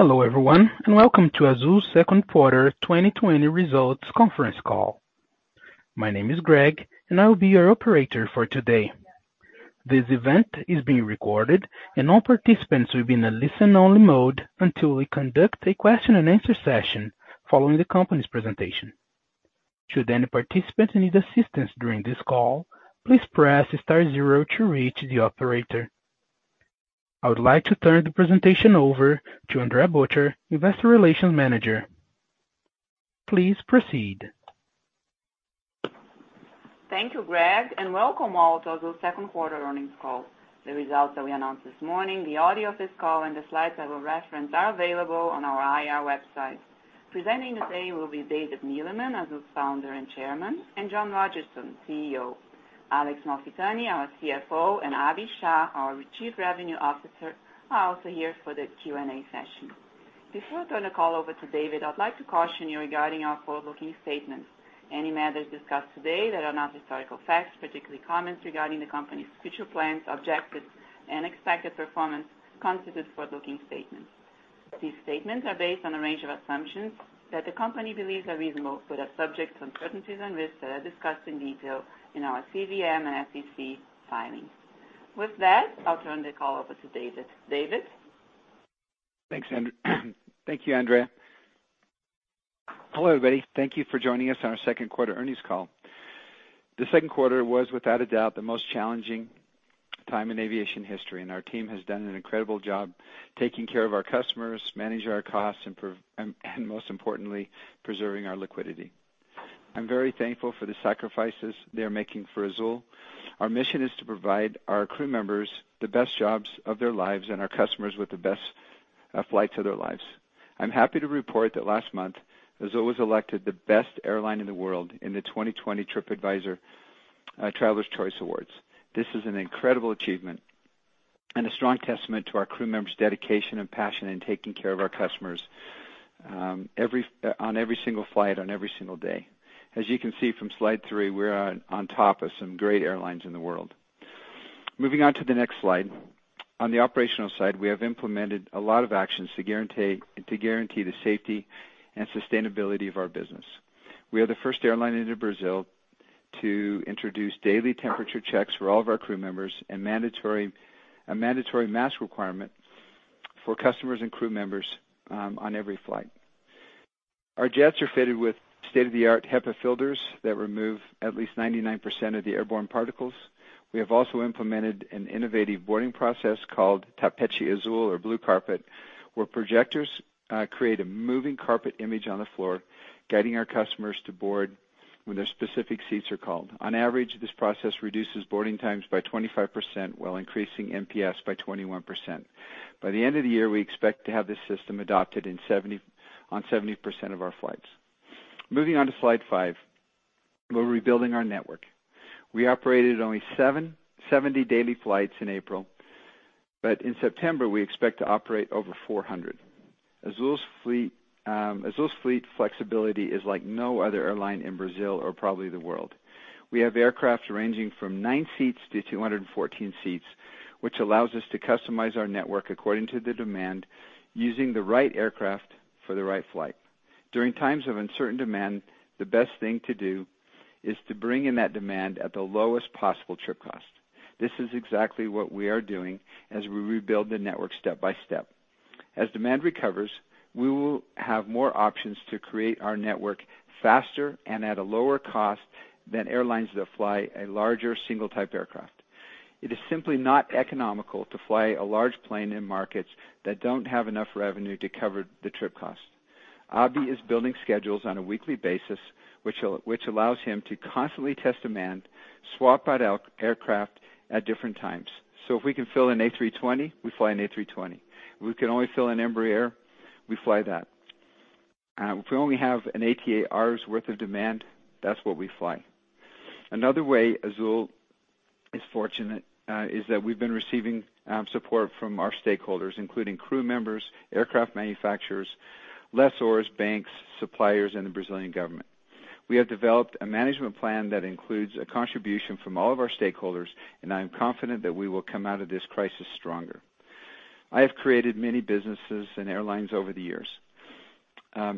Hello, everyone, and welcome to Azul's second quarter 2020 results conference call. My name is Greg, and I will be your operator for today. This event is being recorded, and all participants will be in a listen-only mode until we conduct a question-and-answer session following the company's presentation. Should any participant need assistance during this call, please press star zero to reach the operator. I would like to turn the presentation over to Andrea Bottcher, Investor Relations Manager. Please proceed. Thank you, Greg, and welcome all to Azul's second quarter earnings call. The results that we announced this morning, the audio of this call, and the slides I will reference are available on our IR website. Presenting today will be David Neeleman, Azul's Founder and Chairman, and John Rodgerson, CEO. Alex Malfitani, our CFO, and Abhi Shah, our Chief Revenue Officer, are also here for the Q&A session. Before I turn the call over to David, I'd like to caution you regarding our forward-looking statements. Any matters discussed today that are not historical facts, particularly comments regarding the company's future plans, objectives, and expected performance, constitute forward-looking statements. These statements are based on a range of assumptions that the company believes are reasonable but are subject to uncertainties and risks that are discussed in detail in our CVM and SEC filings. With that, I'll turn the call over to David. David? Thanks, Andrea. Thank you, Andrea. Hello, everybody. Thank you for joining us on our second quarter earnings call. The second quarter was without a doubt the most challenging time in aviation history, and our team has done an incredible job taking care of our customers, managing our costs, and most importantly, preserving our liquidity. I'm very thankful for the sacrifices they are making for Azul. Our mission is to provide our crew members the best jobs of their lives and our customers with the best flights of their lives. I'm happy to report that last month, Azul was elected the best airline in the world in the 2020 TripAdvisor Travelers' Choice Awards. This is an incredible achievement and a strong testament to our crew members' dedication and passion in taking care of our customers on every single flight, on every single day. As you can see from slide three, we're on top of some great airlines in the world. Moving on to the next slide. On the operational side, we have implemented a lot of actions to guarantee the safety and sustainability of our business. We are the first airline in Brazil to introduce daily temperature checks for all of our crew members and a mandatory mask requirement for customers and crew members on every flight. Our jets are fitted with state-of-the-art HEPA filters that remove at least 99% of the airborne particles. We have also implemented an innovative boarding process called Tapete Azul, or Blue Carpet, where projectors create a moving carpet image on the floor, guiding our customers to board when their specific seats are called. On average, this process reduces boarding times by 25% while increasing NPS by 21%. By the end of the year, we expect to have this system adopted on 70% of our flights. Moving on to slide five, we're rebuilding our network. We operated only 70 daily flights in April, but in September, we expect to operate over 400. Azul's fleet flexibility is like no other airline in Brazil or probably the world. We have aircraft ranging from nine seats to 214 seats, which allows us to customize our network according to the demand, using the right aircraft for the right flight. During times of uncertain demand, the best thing to do is to bring in that demand at the lowest possible trip cost. This is exactly what we are doing as we rebuild the network step by step. As demand recovers, we will have more options to create our network faster and at a lower cost than airlines that fly a larger single-type aircraft. It is simply not economical to fly a large plane in markets that don't have enough revenue to cover the trip cost. Abhi is building schedules on a weekly basis, which allows him to constantly test demand, swap out aircraft at different times. If we can fill an A320, we fly an A320. If we can only fill an Embraer, we fly that. If we only have an ATR hours worth of demand, that's what we fly. Another way Azul is fortunate is that we've been receiving support from our stakeholders, including crew members, aircraft manufacturers, lessors, banks, suppliers, and the Brazilian government. We have developed a management plan that includes a contribution from all of our stakeholders, and I am confident that we will come out of this crisis stronger. I have created many businesses and airlines over the years.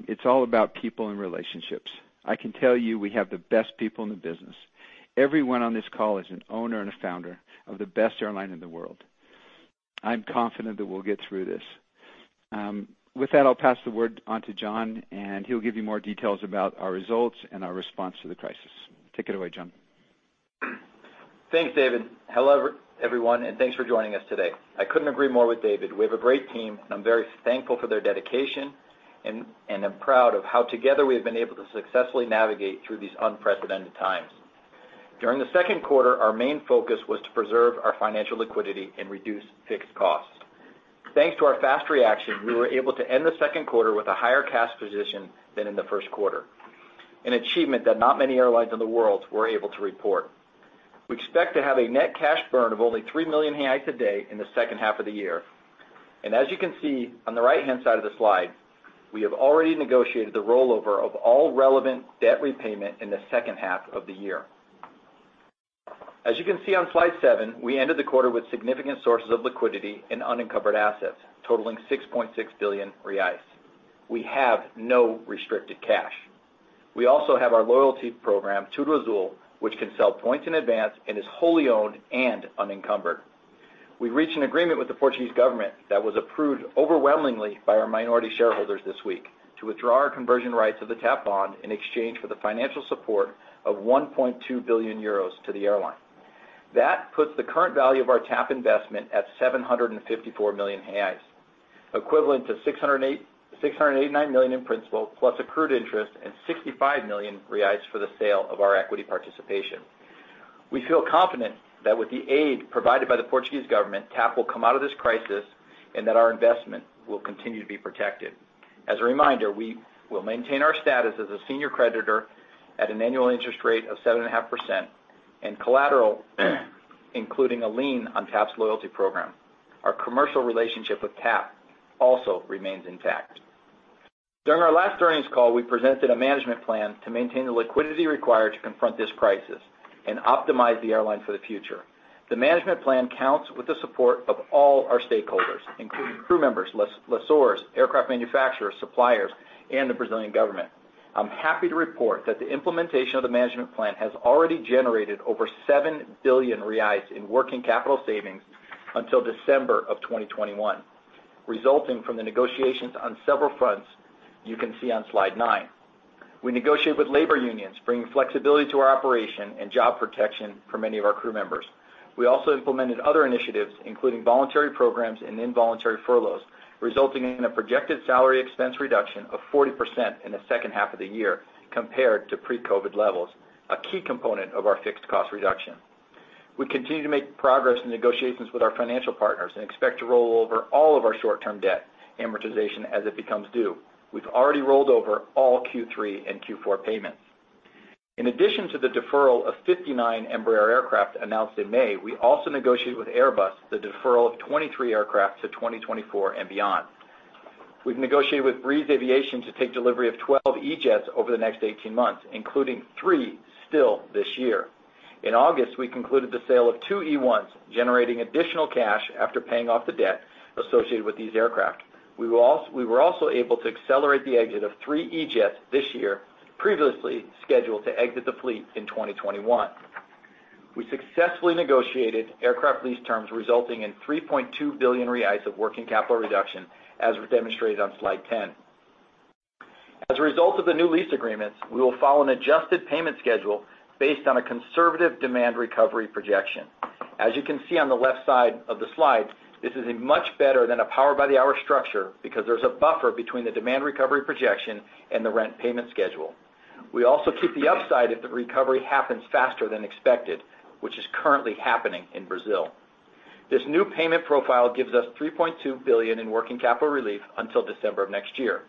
It's all about people and relationships. I can tell you we have the best people in the business. Everyone on this call is an owner and a founder of the best airline in the world. I'm confident that we'll get through this. With that, I'll pass the word on to John, and he'll give you more details about our results and our response to the crisis. Take it away, John. Thanks, David. Hello, everyone, thanks for joining us today. I couldn't agree more with David. We have a great team. I'm very thankful for their dedication, and I'm proud of how together we have been able to successfully navigate through these unprecedented times. During the second quarter, our main focus was to preserve our financial liquidity and reduce fixed costs. Thanks to our fast reaction, we were able to end the second quarter with a higher cash position than in the first quarter, an achievement that not many airlines in the world were able to report. We expect to have a net cash burn of only 3 million reais a day in the second half of the year. As you can see on the right-hand side of the slide, we have already negotiated the rollover of all relevant debt repayment in the second half of the year. As you can see on slide seven, we ended the quarter with significant sources of liquidity and unencumbered assets totaling 6.6 billion reais. We have no restricted cash. We also have our loyalty program, TudoAzul, which can sell points in advance and is wholly owned and unencumbered. We reached an agreement with the Portuguese government that was approved overwhelmingly by our minority shareholders this week to withdraw our conversion rights of the TAP bond in exchange for the financial support of 1.2 billion euros to the airline. That puts the current value of our TAP investment at 754 million reais, equivalent to 689 million in principal, plus accrued interest and 65 million reais for the sale of our equity participation. We feel confident that with the aid provided by the Portuguese government, TAP will come out of this crisis, and that our investment will continue to be protected. As a reminder, we will maintain our status as a senior creditor at an annual interest rate of 7.5% and collateral, including a lien on TAP's loyalty program. Our commercial relationship with TAP also remains intact. During our last earnings call, we presented a management plan to maintain the liquidity required to confront this crisis and optimize the airline for the future. The management plan counts with the support of all our stakeholders, including crew members, lessors, aircraft manufacturers, suppliers, and the Brazilian government. I'm happy to report that the implementation of the management plan has already generated over 7 billion reais in working capital savings until December 2021, resulting from the negotiations on several fronts you can see on slide nine. We negotiated with labor unions, bringing flexibility to our operation and job protection for many of our crew members. We also implemented other initiatives, including voluntary programs and involuntary furloughs, resulting in a projected salary expense reduction of 40% in the second half of the year compared to pre-COVID levels, a key component of our fixed cost reduction. We continue to make progress in negotiations with our financial partners and expect to roll over all of our short-term debt amortization as it becomes due. We've already rolled over all Q3 and Q4 payments. In addition to the deferral of 59 Embraer aircraft announced in May, we also negotiated with Airbus the deferral of 23 aircraft to 2024 and beyond. We've negotiated with Breeze Aviation to take delivery of 12 E-Jets over the next 18 months, including three still this year. In August, we concluded the sale of two E1s, generating additional cash after paying off the debt associated with these aircraft. We were also able to accelerate the exit of three E-Jets this year, previously scheduled to exit the fleet in 2021. We successfully negotiated aircraft lease terms resulting in 3.2 billion reais of working capital reduction, as demonstrated on slide 10. As a result of the new lease agreements, we will follow an adjusted payment schedule based on a conservative demand recovery projection. As you can see on the left side of the slide, this is much better than a Power by the Hour structure because there is a buffer between the demand recovery projection and the rent payment schedule. We also keep the upside if the recovery happens faster than expected, which is currently happening in Brazil. This new payment profile gives us BRL 3.2 billion in working capital relief until December of next year.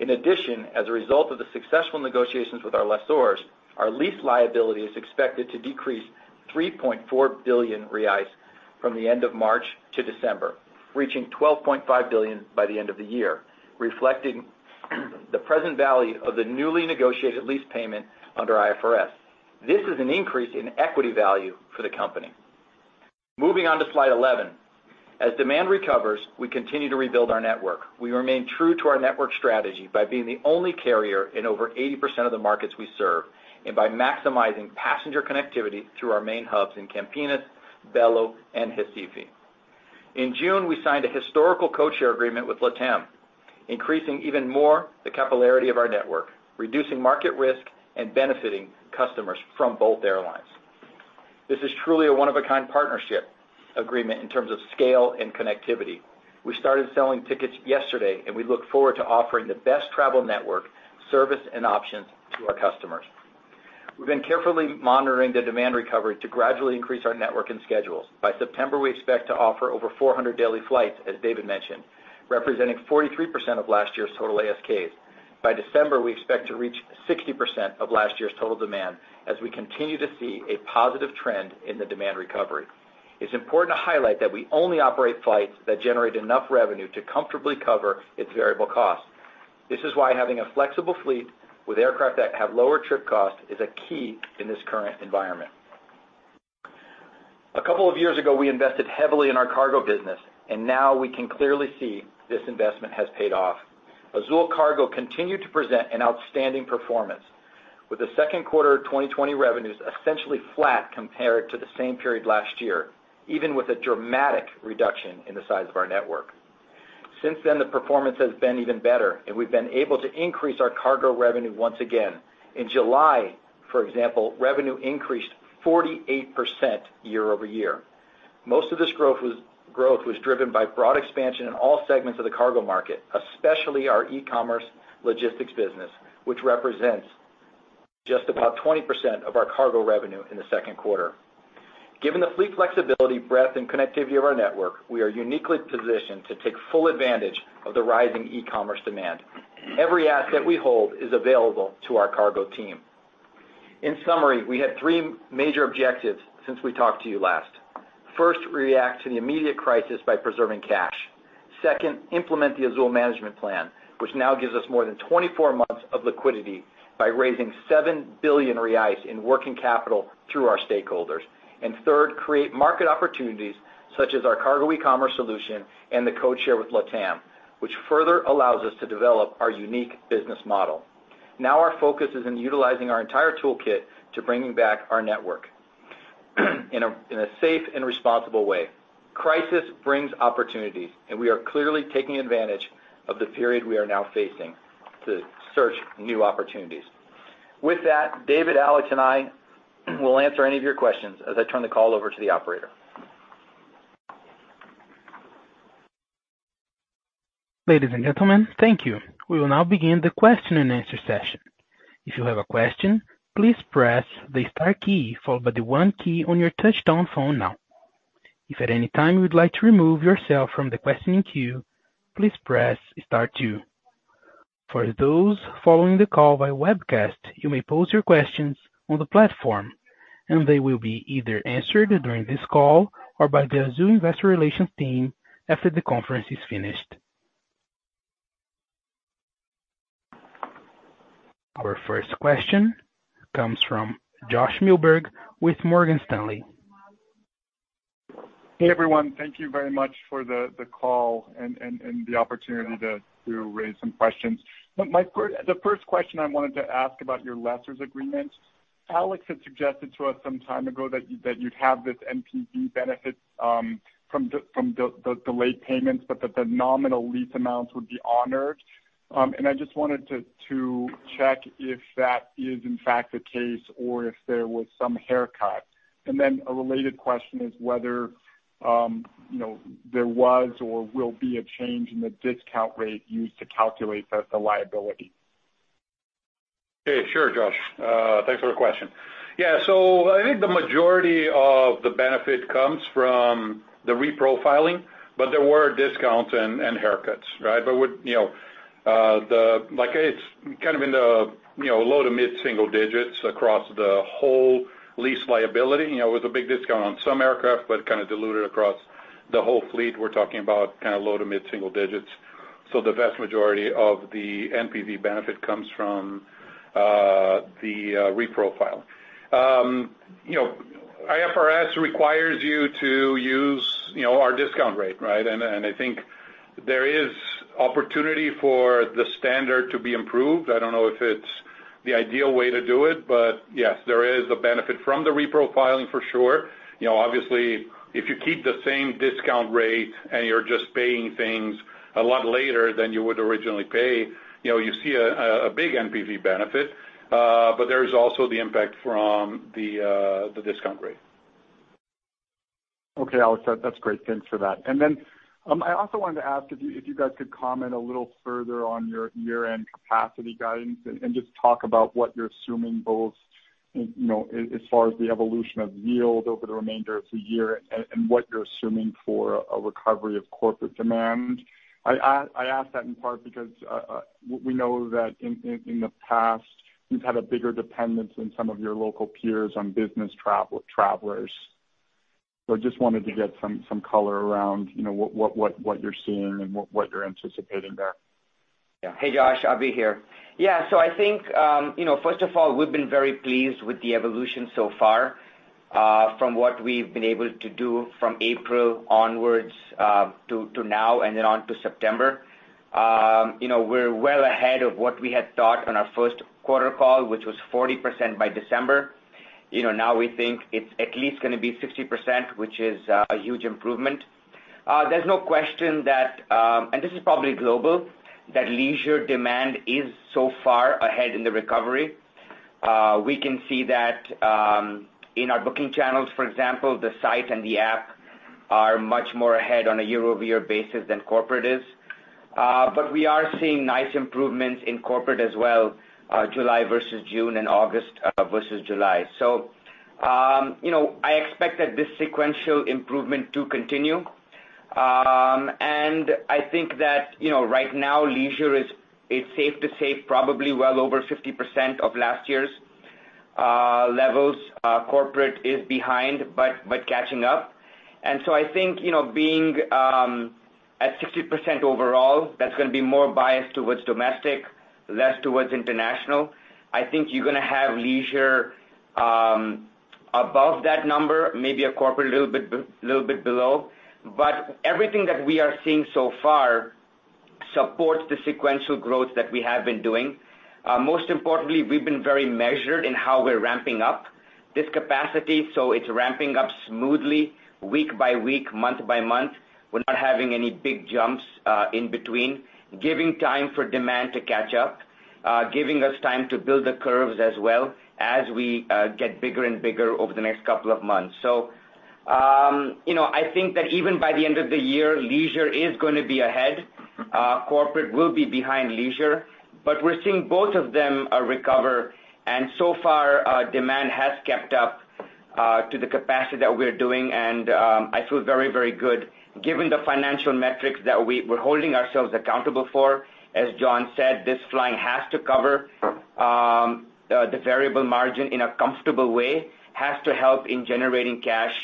In addition, as a result of the successful negotiations with our lessors, our lease liability is expected to decrease 3.4 billion reais from the end of March to December, reaching 12.5 billion by the end of the year, reflecting the present value of the newly negotiated lease payment under IFRS. This is an increase in equity value for the company. Moving on to slide 11. As demand recovers, we continue to rebuild our network. We remain true to our network strategy by being the only carrier in over 80% of the markets we serve, and by maximizing passenger connectivity through our main hubs in Campinas, Belo and Recife. In June, we signed a historical codeshare agreement with LATAM, increasing even more the capillarity of our network, reducing market risk, and benefiting customers from both airlines. This is truly a one-of-a-kind partnership agreement in terms of scale and connectivity. We started selling tickets yesterday, and we look forward to offering the best travel network, service, and options to our customers. We've been carefully monitoring the demand recovery to gradually increase our network and schedules. By September, we expect to offer over 400 daily flights, as David mentioned, representing 43% of last year's total ASKs. By December, we expect to reach 60% of last year's total demand as we continue to see a positive trend in the demand recovery. It's important to highlight that we only operate flights that generate enough revenue to comfortably cover its variable cost. This is why having a flexible fleet with aircraft that have lower trip cost is a key in this current environment. A couple of years ago, we invested heavily in our cargo business, and now we can clearly see this investment has paid off. Azul Cargo continued to present an outstanding performance with the second quarter 2020 revenues essentially flat compared to the same period last year, even with a dramatic reduction in the size of our network. Since then, the performance has been even better, and we've been able to increase our cargo revenue once again. In July, for example, revenue increased 48% year-over-year. Most of this growth was driven by broad expansion in all segments of the cargo market, especially our e-commerce logistics business, which represents just about 20% of our cargo revenue in the second quarter. Given the fleet flexibility, breadth, and connectivity of our network, we are uniquely positioned to take full advantage of the rising e-commerce demand. Every asset we hold is available to our cargo team. In summary, we had three major objectives since we talked to you last. First, react to the immediate crisis by preserving cash. Second, implement the Azul management plan, which now gives us more than 24 months of liquidity by raising 7 billion reais in working capital through our stakeholders. Third, create market opportunities such as our cargo e-commerce solution and the code share with LatAm, which further allows us to develop our unique business model. Our focus is in utilizing our entire toolkit to bringing back our network in a safe and responsible way. Crisis brings opportunities, and we are clearly taking advantage of the period we are now facing to search new opportunities. David, Alex, and I will answer any of your questions as I turn the call over to the operator. Ladies and gentlemen, thank you. We will now begin the question-and-answer session. If you have a question, please press the star key before the one key on your touchtone phone now. If at any time you would like to remove yourself from the questioning queue, please press star two. For those following the call by webcast, you may pose your questions on the platform, and they will be either answered during this call or by the Azul investor relations team after the conference is finished. Our first question comes from Josh Milberg with Morgan Stanley. Hey, everyone. Thank you very much for the call and the opportunity to raise some questions. The first question I wanted to ask about your lessors agreement. Alex had suggested to us some time ago that you'd have this NPV benefit from the delayed payments, but that the nominal lease amounts would be honored. I just wanted to check if that is in fact the case or if there was some haircut. Then a related question is whether there was or will be a change in the discount rate used to calculate the liability. Okay. Sure, Josh. Thanks for the question. I think the majority of the benefit comes from the reprofiling, but there were discounts and haircuts, right? It's kind of in the low to mid-single digits across the whole lease liability. It was a big discount on some aircraft, but kind of diluted across the whole fleet. We're talking about low to mid-single digits. The vast majority of the NPV benefit comes from the reprofile. IFRS requires you to use our discount rate, right? I think there is opportunity for the standard to be improved. I don't know if it's the ideal way to do it, but yes, there is a benefit from the reprofiling for sure. Obviously, if you keep the same discount rate and you're just paying things a lot later than you would originally pay, you see a big NPV benefit. There is also the impact from the discount rate. Okay, Alex, that's great. Thanks for that. I also wanted to ask if you guys could comment a little further on your year-end capacity guidance and just talk about what you're assuming both as far as the evolution of yield over the remainder of the year and what you're assuming for a recovery of corporate demand. I ask that in part because we know that in the past, you've had a bigger dependence than some of your local peers on business travelers. I just wanted to get some color around what you're seeing and what you're anticipating there. Yeah. Hey, Josh, Abhi here. I think, first of all, we've been very pleased with the evolution so far from what we've been able to do from April onwards to now and then on to September. We're well ahead of what we had thought on our first quarter call, which was 40% by December. Now we think it's at least going to be 60%, which is a huge improvement. There's no question that, and this is probably global, that leisure demand is so far ahead in the recovery. We can see that in our booking channels, for example, the site and the app are much more ahead on a year-over-year basis than corporate is. We are seeing nice improvements in corporate as well, July versus June and August versus July. I expect that this sequential improvement to continue. I think that right now leisure is safe to say probably well over 50% of last year's levels. Corporate is behind, but catching up. I think, being at 60% overall, that's going to be more biased towards domestic, less towards international. I think you're going to have leisure above that number, maybe corporate a little bit below. Everything that we are seeing so far supports the sequential growth that we have been doing. Most importantly, we've been very measured in how we're ramping up this capacity. It's ramping up smoothly week by week, month by month. We're not having any big jumps in between. Giving time for demand to catch up, giving us time to build the curves as well as we get bigger and bigger over the next couple of months. I think that even by the end of the year, leisure is going to be ahead. Corporate will be behind leisure, but we're seeing both of them recover, and so far, demand has kept up to the capacity that we're doing, and I feel very good given the financial metrics that we're holding ourselves accountable for. As John said, this flying has to cover the variable margin in a comfortable way, has to help in generating cash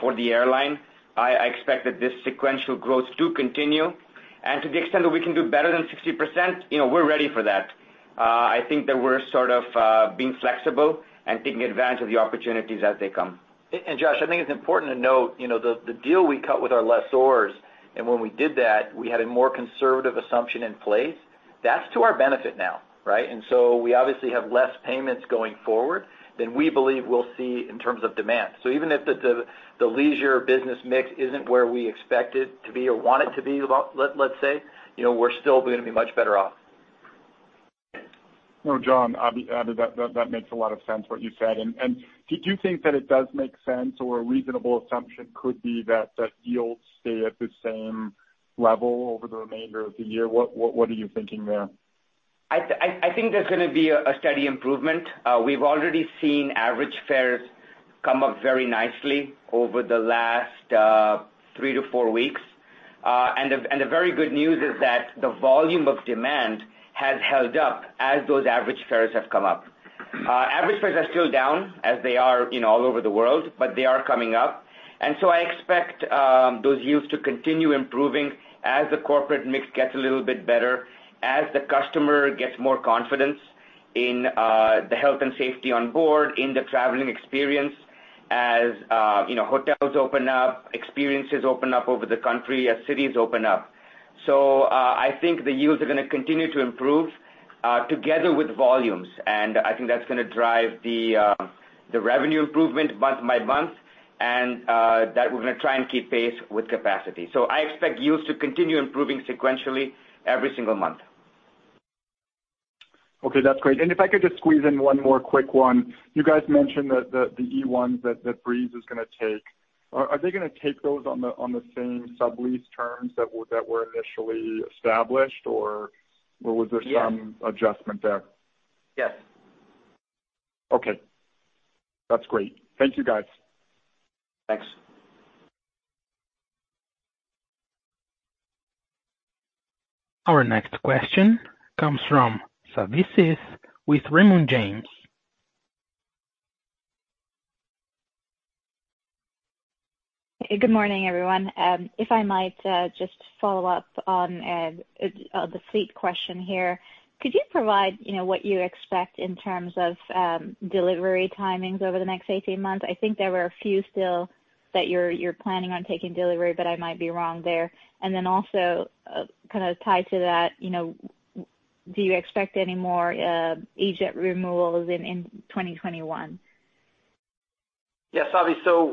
for the airline. I expect that this sequential growth to continue. To the extent that we can do better than 60%, we're ready for that. I think that we're sort of being flexible and taking advantage of the opportunities as they come. Josh, I think it's important to note, the deal we cut with our lessors, and when we did that, we had a more conservative assumption in place. That's to our benefit now, right? We obviously have less payments going forward than we believe we'll see in terms of demand. Even if the leisure business mix isn't where we expect it to be or want it to be, let's say, we're still going to be much better off. No, John, that makes a lot of sense what you said. Did you think that it does make sense or a reasonable assumption could be that yields stay at the same level over the remainder of the year? What are you thinking there? I think there's going to be a steady improvement. We've already seen average fares come up very nicely over the last three to four weeks. The very good news is that the volume of demand has held up as those average fares have come up. Average fares are still down as they are all over the world, but they are coming up. I expect those yields to continue improving as the corporate mix gets a little bit better, as the customer gets more confidence in the health and safety on board, in the traveling experience, as hotels open up, experiences open up over the country, as cities open up. I think the yields are going to continue to improve together with volumes. I think that's going to drive the revenue improvement month by month, and that we're going to try and keep pace with capacity. I expect yields to continue improving sequentially every single month. Okay. That's great. If I could just squeeze in one more quick one. You guys mentioned that the E1s that Breeze is going to take, are they going to take those on the same sublease terms that were initially established or was there some adjustment there? Yes. Okay. That's great. Thank you, guys. Thanks. Our next question comes from Savi Syth with Raymond James. Hey, good morning, everyone. If I might just follow up on the fleet question here. Could you provide what you expect in terms of delivery timings over the next 18 months? I think there were a few still that you're planning on taking delivery, but I might be wrong there. Then also kind of tied to that, do you expect any more aircraft removals in 2021? Savi,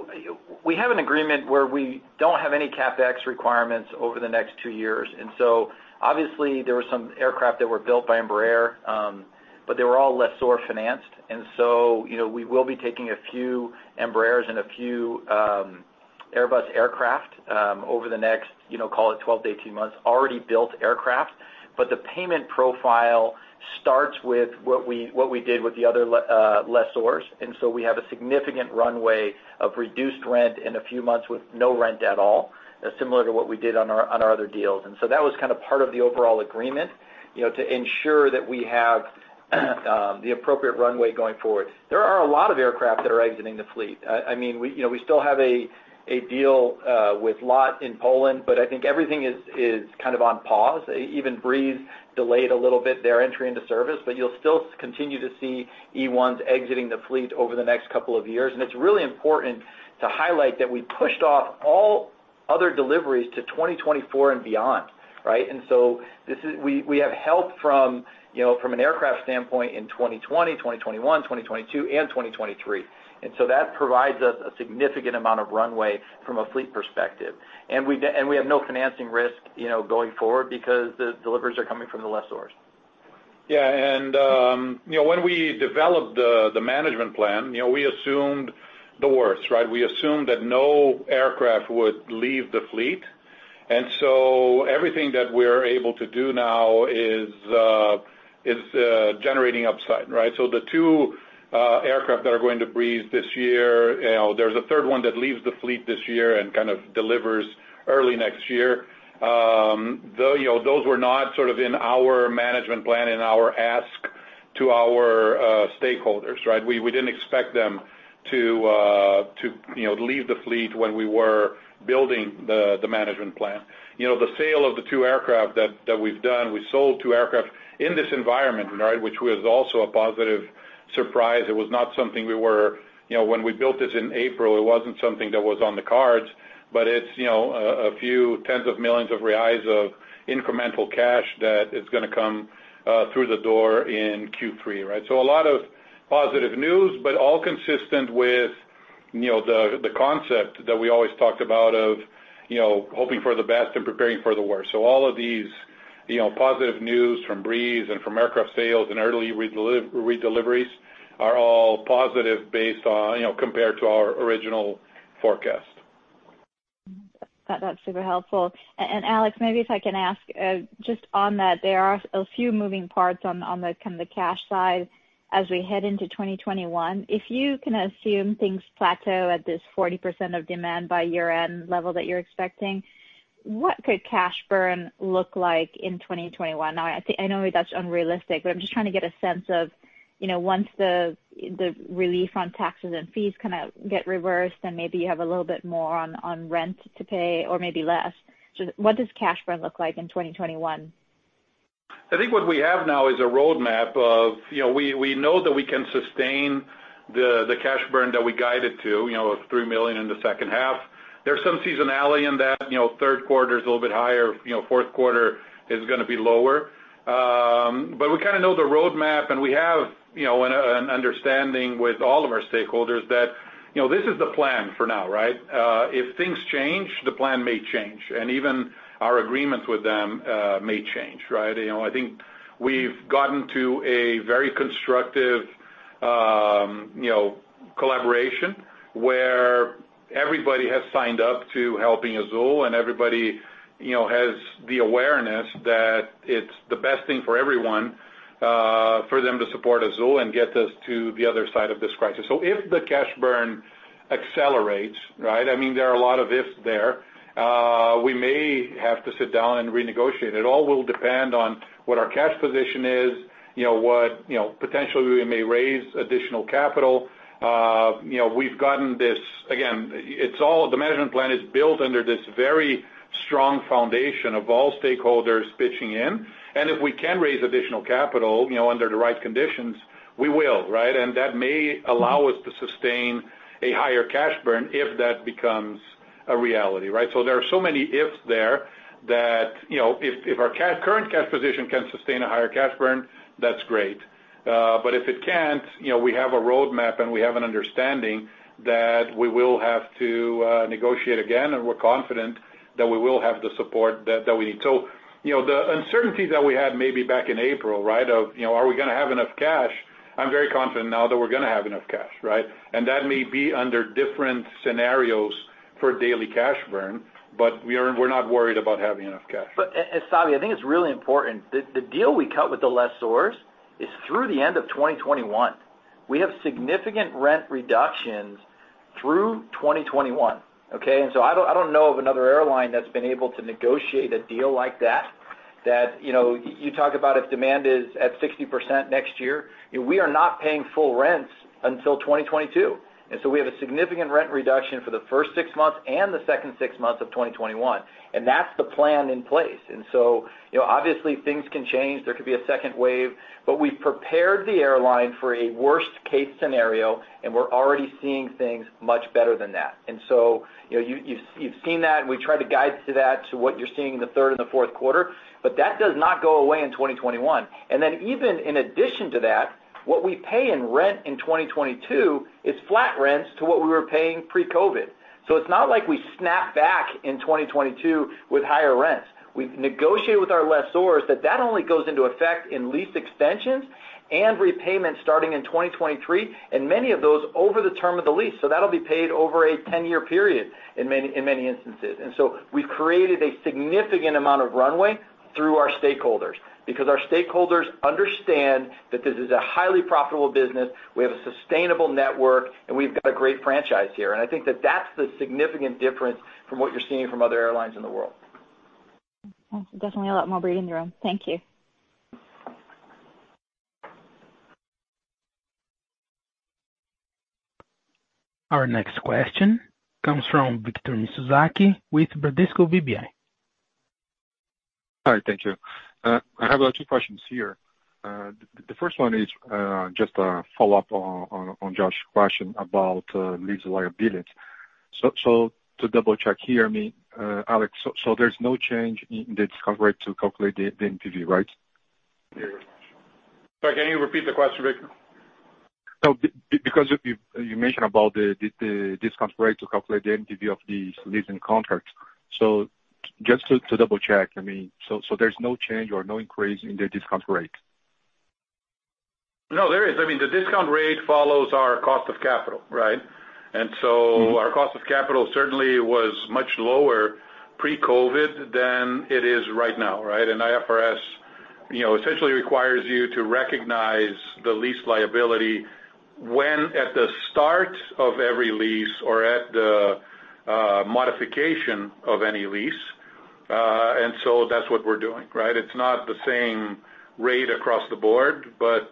we have an agreement where we don't have any CapEx requirements over the next two years. Obviously there were some aircraft that were built by Embraer, but they were all lessor financed. We will be taking a few Embraers and a few Airbus aircraft over the next, call it 12 months-18 months, already built aircraft. The payment profile starts with what we did with the other lessors. We have a significant runway of reduced rent and a few months with no rent at all, similar to what we did on our other deals. That was kind of part of the overall agreement to ensure that we have the appropriate runway going forward. There are a lot of aircraft that are exiting the fleet. We still have a deal with LOT in Poland, but I think everything is kind of on pause. Even Breeze delayed a little bit their entry into service, but you'll still continue to see E1s exiting the fleet over the next couple of years. It's really important to highlight that we pushed off all other deliveries to 2024 and beyond, right? We have help from an aircraft standpoint in 2020, 2021, 2022, and 2023. That provides us a significant amount of runway from a fleet perspective. We have no financing risk going forward because the deliveries are coming from the lessors. Yeah. When we developed the management plan, we assumed the worst, right? We assumed that no aircraft would leave the fleet. Everything that we're able to do now is generating upside, right? The two aircraft that are going to Breeze this year, there's a third one that leaves the fleet this year and kind of delivers early next year. Those were not sort of in our management plan, in our ask to our stakeholders, right? We didn't expect them to leave the fleet when we were building the management plan. The sale of the two aircraft that we've done, we sold two aircraft in this environment, which was also a positive surprise. When we built this in April, it wasn't something that was on the cards, but it's a few tens of millions of reals of incremental cash that is going to come through the door in Q3, right? A lot of positive news, but all consistent with the concept that we always talked about of hoping for the best and preparing for the worst. All of these positive news from Breeze and from aircraft sales and early redeliveries are all positive based on compared to our original forecast. That's super helpful. Alex, maybe if I can ask, just on that, there are a few moving parts on the kind of the cash side as we head into 2021. If you can assume things plateau at this 40% of demand by year-end level that you're expecting, what could cash burn look like in 2021? I know that's unrealistic, but I'm just trying to get a sense of once the relief on taxes and fees kind of get reversed, and maybe you have a little bit more on rent to pay or maybe less. What does cash burn look like in 2021? I think what we have now is a roadmap of, we know that we can sustain the cash burn that we guided to, of 3 million in the second half. There's some seasonality in that. Third quarter is a little bit higher, fourth quarter is going to be lower. We kind of know the roadmap, and we have an understanding with all of our stakeholders that this is the plan for now. If things change, the plan may change. Even our agreements with them may change. I think we've gotten to a very constructive collaboration where everybody has signed up to helping Azul and everybody has the awareness that it's the best thing for everyone for them to support Azul and get us to the other side of this crisis. If the cash burn accelerates, there are a lot of ifs there, we may have to sit down and renegotiate. It all will depend on what our cash position is, potentially we may raise additional capital. Again, the management plan is built under this very strong foundation of all stakeholders pitching in, and if we can raise additional capital, under the right conditions, we will. That may allow us to sustain a higher cash burn if that becomes a reality. There are so many ifs there that if our current cash position can sustain a higher cash burn, that's great. If it can't, we have a roadmap and we have an understanding that we will have to negotiate again, and we're confident that we will have the support that we need. The uncertainty that we had maybe back in April, of are we going to have enough cash? I'm very confident now that we're going to have enough cash. That may be under different scenarios for daily cash burn, but we're not worried about having enough cash. Savi, I think it's really important. The deal we cut with the lessors is through the end of 2021. We have significant rent reductions through 2021. Okay. I don't know of another airline that's been able to negotiate a deal like that you talk about if demand is at 60% next year, we are not paying full rents until 2022. We have a significant rent reduction for the first six months and the second six months of 2021, and that's the plan in place. Obviously things can change. There could be a second wave, but we've prepared the airline for a worst-case scenario, and we're already seeing things much better than that. You've seen that and we tried to guide to that to what you're seeing in the third and the fourth quarter, but that does not go away in 2021. Even in addition to that, what we pay in rent in 2022 is flat rents to what we were paying pre-COVID. It's not like we snap back in 2022 with higher rents. We've negotiated with our lessors that that only goes into effect in lease extensions and repayments starting in 2023, and many of those over the term of the lease, so that'll be paid over a 10-year period in many instances. We've created a significant amount of runway through our stakeholders because our stakeholders understand that this is a highly profitable business, we have a sustainable network, and we've got a great franchise here. I think that that's the significant difference from what you're seeing from other airlines in the world. Okay. Definitely a lot more breathing room. Thank you. Our next question comes from Victor Mizusaki with Bradesco BBI. Hi, thank you. I have two questions here. The first one is just a follow-up on Josh's question about lease liabilities. To double-check here, Alex, so there's no change in the discount rate to calculate the NPV, right? Sorry, can you repeat the question, Victor? You mentioned about the discount rate to calculate the NPV of these leasing contracts. Just to double-check, so there's no change or no increase in the discount rate? No, there is. The discount rate follows our cost of capital, right? Our cost of capital certainly was much lower pre-COVID than it is right now. IFRS essentially requires you to recognize the lease liability when at the start of every lease or at the modification of any lease. That's what we're doing. It's not the same rate across the board, but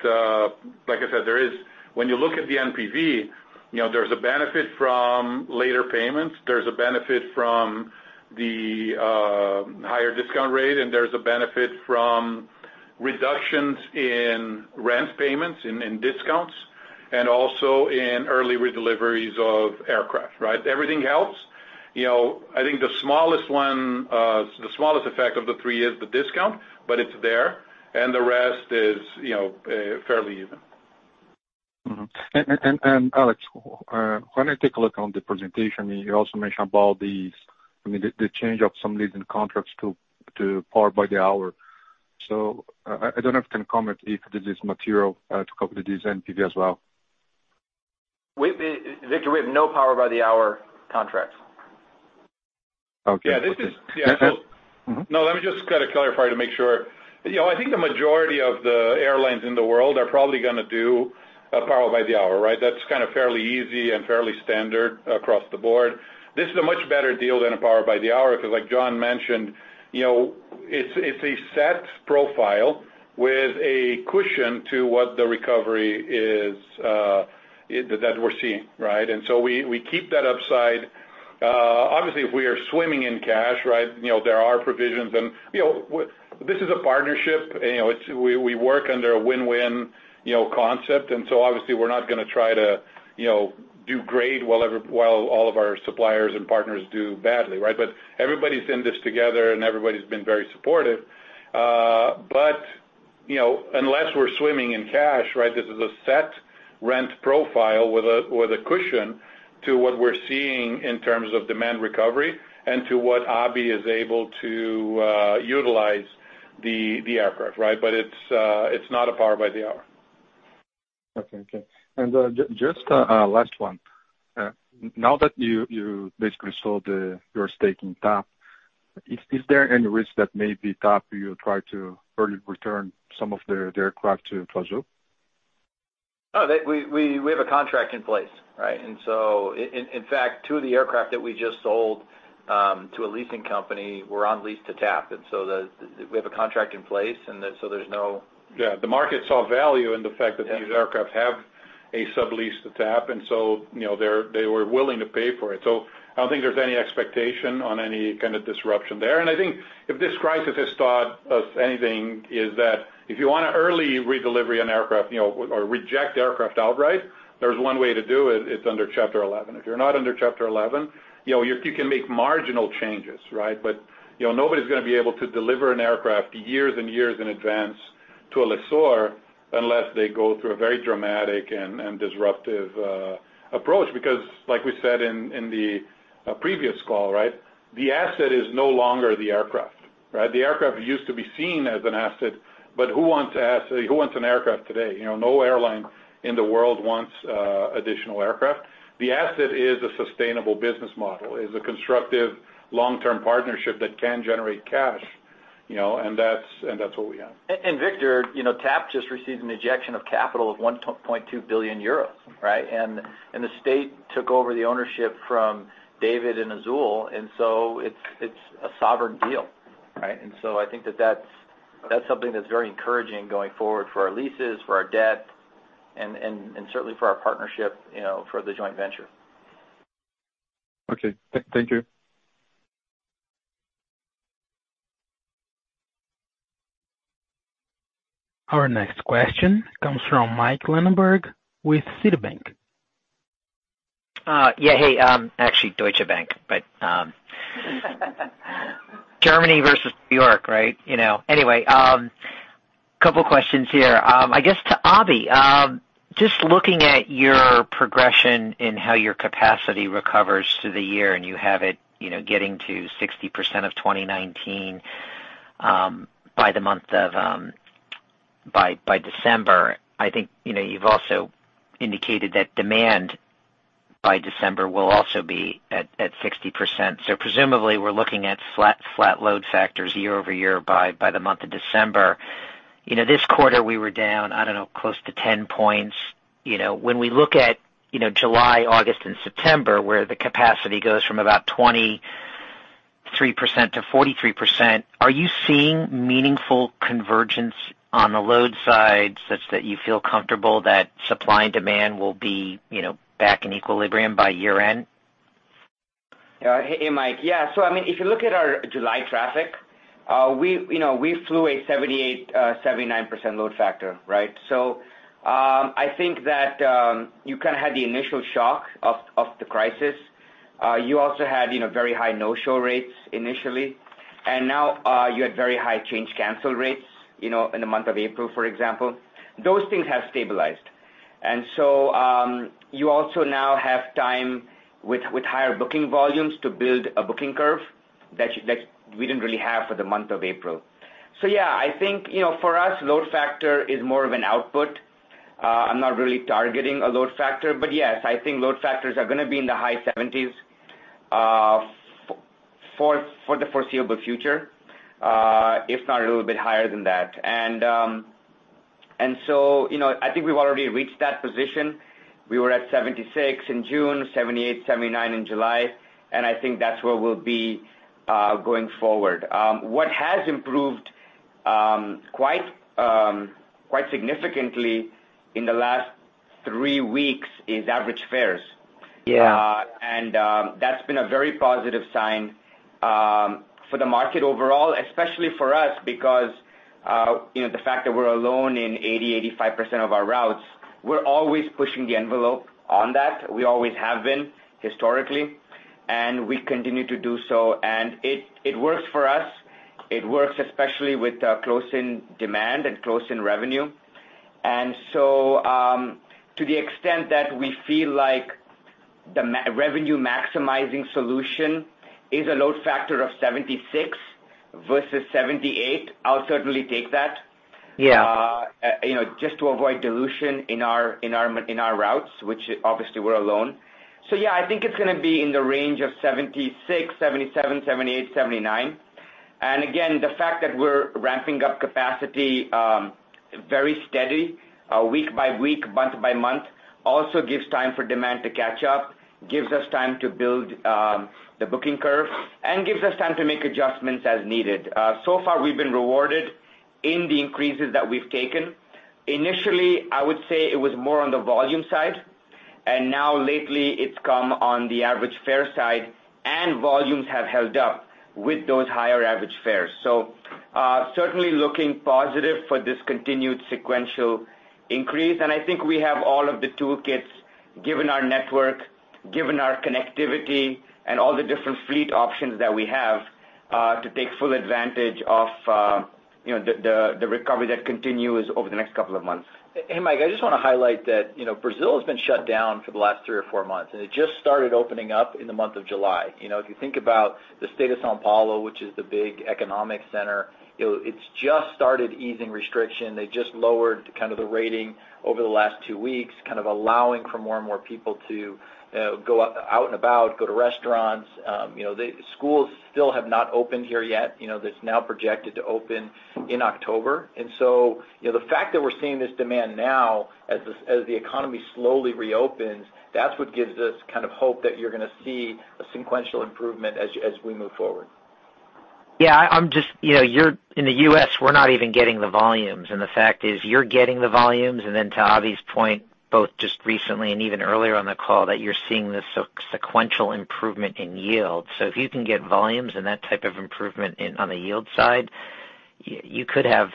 like I said, when you look at the NPV, there's a benefit from later payments, there's a benefit from the higher discount rate, and there's a benefit from reductions in rent payments, in discounts, and also in early redeliveries of aircraft. Everything helps. I think the smallest effect of the three is the discount, but it's there, and the rest is fairly even. Mm-hmm. Alex, when I take a look on the presentation, you also mentioned about the change of some leasing contracts to Power by the Hour. I don't know if you can comment if this is material to calculate this NPV as well. Victor, we have no Power by the Hour contracts. Okay. No, let me just kind of clarify to make sure. I think the majority of the airlines in the world are probably going to do a Power by the Hour. That's kind of fairly easy and fairly standard across the board. This is a much better deal than a Power by the Hour because, like John mentioned, it's a set profile with a cushion to what the recovery is that we're seeing. We keep that upside. Obviously, if we are swimming in cash, there are provisions. This is a partnership, we work under a win-win concept. Obviously we're not going to try to do great while all of our suppliers and partners do badly. Everybody's in this together and everybody's been very supportive. Unless we're swimming in cash, this is a set rent profile with a cushion to what we're seeing in terms of demand recovery and to what Abhi is able to utilize the aircraft. It's not a Power by the Hour. Okay. Just last one. Now that you basically sold your stake in TAP, is there any risk that maybe TAP will try to early return some of their aircraft to Azul? No, we have a contract in place. In fact, two of the aircraft that we just sold to a leasing company were on lease to TAP. We have a contract in place. The market saw value in the fact that these aircraft have a sublease to TAP, and so they were willing to pay for it. I don't think there's any expectation on any kind of disruption there. I think if this crisis has taught us anything, is that if you want to early redelivery an aircraft or reject aircraft outright, there's one way to do it's under Chapter 11. If you're not under Chapter 11, you can make marginal changes. Nobody's going to be able to deliver an aircraft years and years in advance to a lessor unless they go through a very dramatic and disruptive approach. Like we said in the previous call, the asset is no longer the aircraft. The aircraft used to be seen as an asset, but who wants an aircraft today? No airline in the world wants additional aircraft. The asset is a sustainable business model, is a constructive long-term partnership that can generate cash. That's what we have. Victor, TAP just received an injection of capital of 1.2 billion euros. The state took over the ownership from David and Azul, and so it's a sovereign deal. I think that's something that's very encouraging going forward for our leases, for our debt, and certainly for our partnership for the joint venture. Okay. Thank you. Our next question comes from Mike Linenberg with Citibank. Hey, actually Deutsche Bank. Germany versus New York, right? Anyway, couple of questions here. I guess to Abhi, just looking at your progression in how your capacity recovers through the year, and you have it getting to 60% of 2019 by December. I think you've also indicated that demand by December will also be at 60%. Presumably, we're looking at flat load factors year-over-year by the month of December. This quarter we were down, I don't know, close to 10 points. When we look at July, August, and September, where the capacity goes from about 23% to 43%, are you seeing meaningful convergence on the load side such that you feel comfortable that supply and demand will be back in equilibrium by year-end? Hey, Mike. If you look at our July traffic, we flew a 78%, 79% load factor. I think that you kind of had the initial shock of the crisis. You also had very high no-show rates initially, and now you had very high change cancel rates in the month of April, for example. Those things have stabilized. You also now have time with higher booking volumes to build a booking curve that we didn't really have for the month of April. I think for us, load factor is more of an output. I'm not really targeting a load factor, but yes, I think load factors are going to be in the high 70s for the foreseeable future, if not a little bit higher than that. I think we've already reached that position. We were at 76% in June, 78%, 79% in July. I think that's where we'll be going forward. What has improved quite significantly in the last three weeks is average fares. Yeah. That's been a very positive sign for the market overall, especially for us because the fact that we're alone in 80%, 85% of our routes, we're always pushing the envelope on that. We always have been historically, and we continue to do so. It works for us. It works especially with close-in demand and close-in revenue. To the extent that we feel like the revenue maximizing solution is a load factor of 76% versus 78%, I'll certainly take that. Yeah. Just to avoid dilution in our routes, which obviously we're alone. Yeah, I think it's going to be in the range of 76%, 77%, 78%, 79%. Again, the fact that we're ramping up capacity very steady, week by week, month by month, also gives time for demand to catch up, gives us time to build the booking curve, and gives us time to make adjustments as needed. So far, we've been rewarded in the increases that we've taken. Initially, I would say it was more on the volume side, and now lately it's come on the average fare side and volumes have held up with those higher average fares. Certainly looking positive for this continued sequential increase. I think we have all of the toolkits, given our network, given our connectivity and all the different fleet options that we have, to take full advantage of the recovery that continues over the next couple of months. Hey, Mike, I just want to highlight that Brazil has been shut down for the last three or four months, and it just started opening up in the month of July. If you think about the state of São Paulo, which is the big economic center, it's just started easing restriction. They just lowered kind of the rating over the last two weeks, kind of allowing for more and more people to go out and about, go to restaurants. The schools still have not opened here yet. That's now projected to open in October. The fact that we're seeing this demand now as the economy slowly reopens, that's what gives us kind of hope that you're going to see a sequential improvement as we move forward. Yeah. In the U.S., we're not even getting the volumes, and the fact is you're getting the volumes, and then to Abhi's point, both just recently and even earlier on the call, that you're seeing this sequential improvement in yield. If you can get volumes and that type of improvement on the yield side, you could have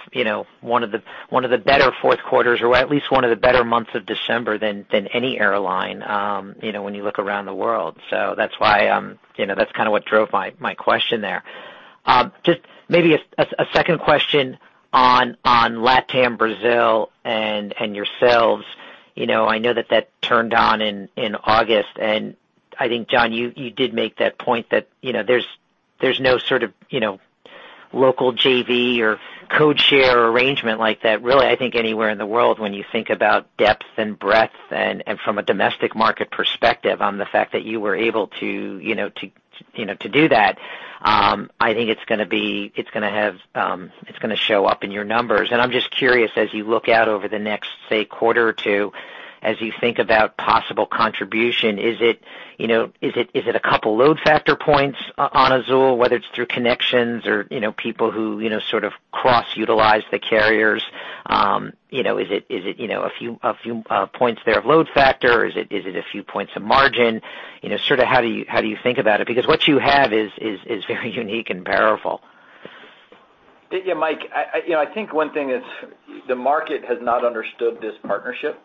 one of the better fourth quarters or at least one of the better months of December than any airline when you look around the world. That's kind of what drove my question there. Just maybe a second question on LatAm, Brazil, and yourselves. I know that that turned on in August, I think, John, you did make that point that there's no sort of local JV or code share arrangement like that really, I think, anywhere in the world when you think about depth and breadth and from a domestic market perspective on the fact that you were able to do that. I think it's going to show up in your numbers. I'm just curious, as you look out over the next, say, quarter or two, as you think about possible contribution, is it a couple load factor points on Azul, whether it's through connections or people who sort of cross-utilize the carriers? Is it a few points there of load factor? Is it a few points of margin? Sort of, how do you think about it? What you have is very unique and powerful. Yeah, Mike, I think one thing is the market has not understood this partnership.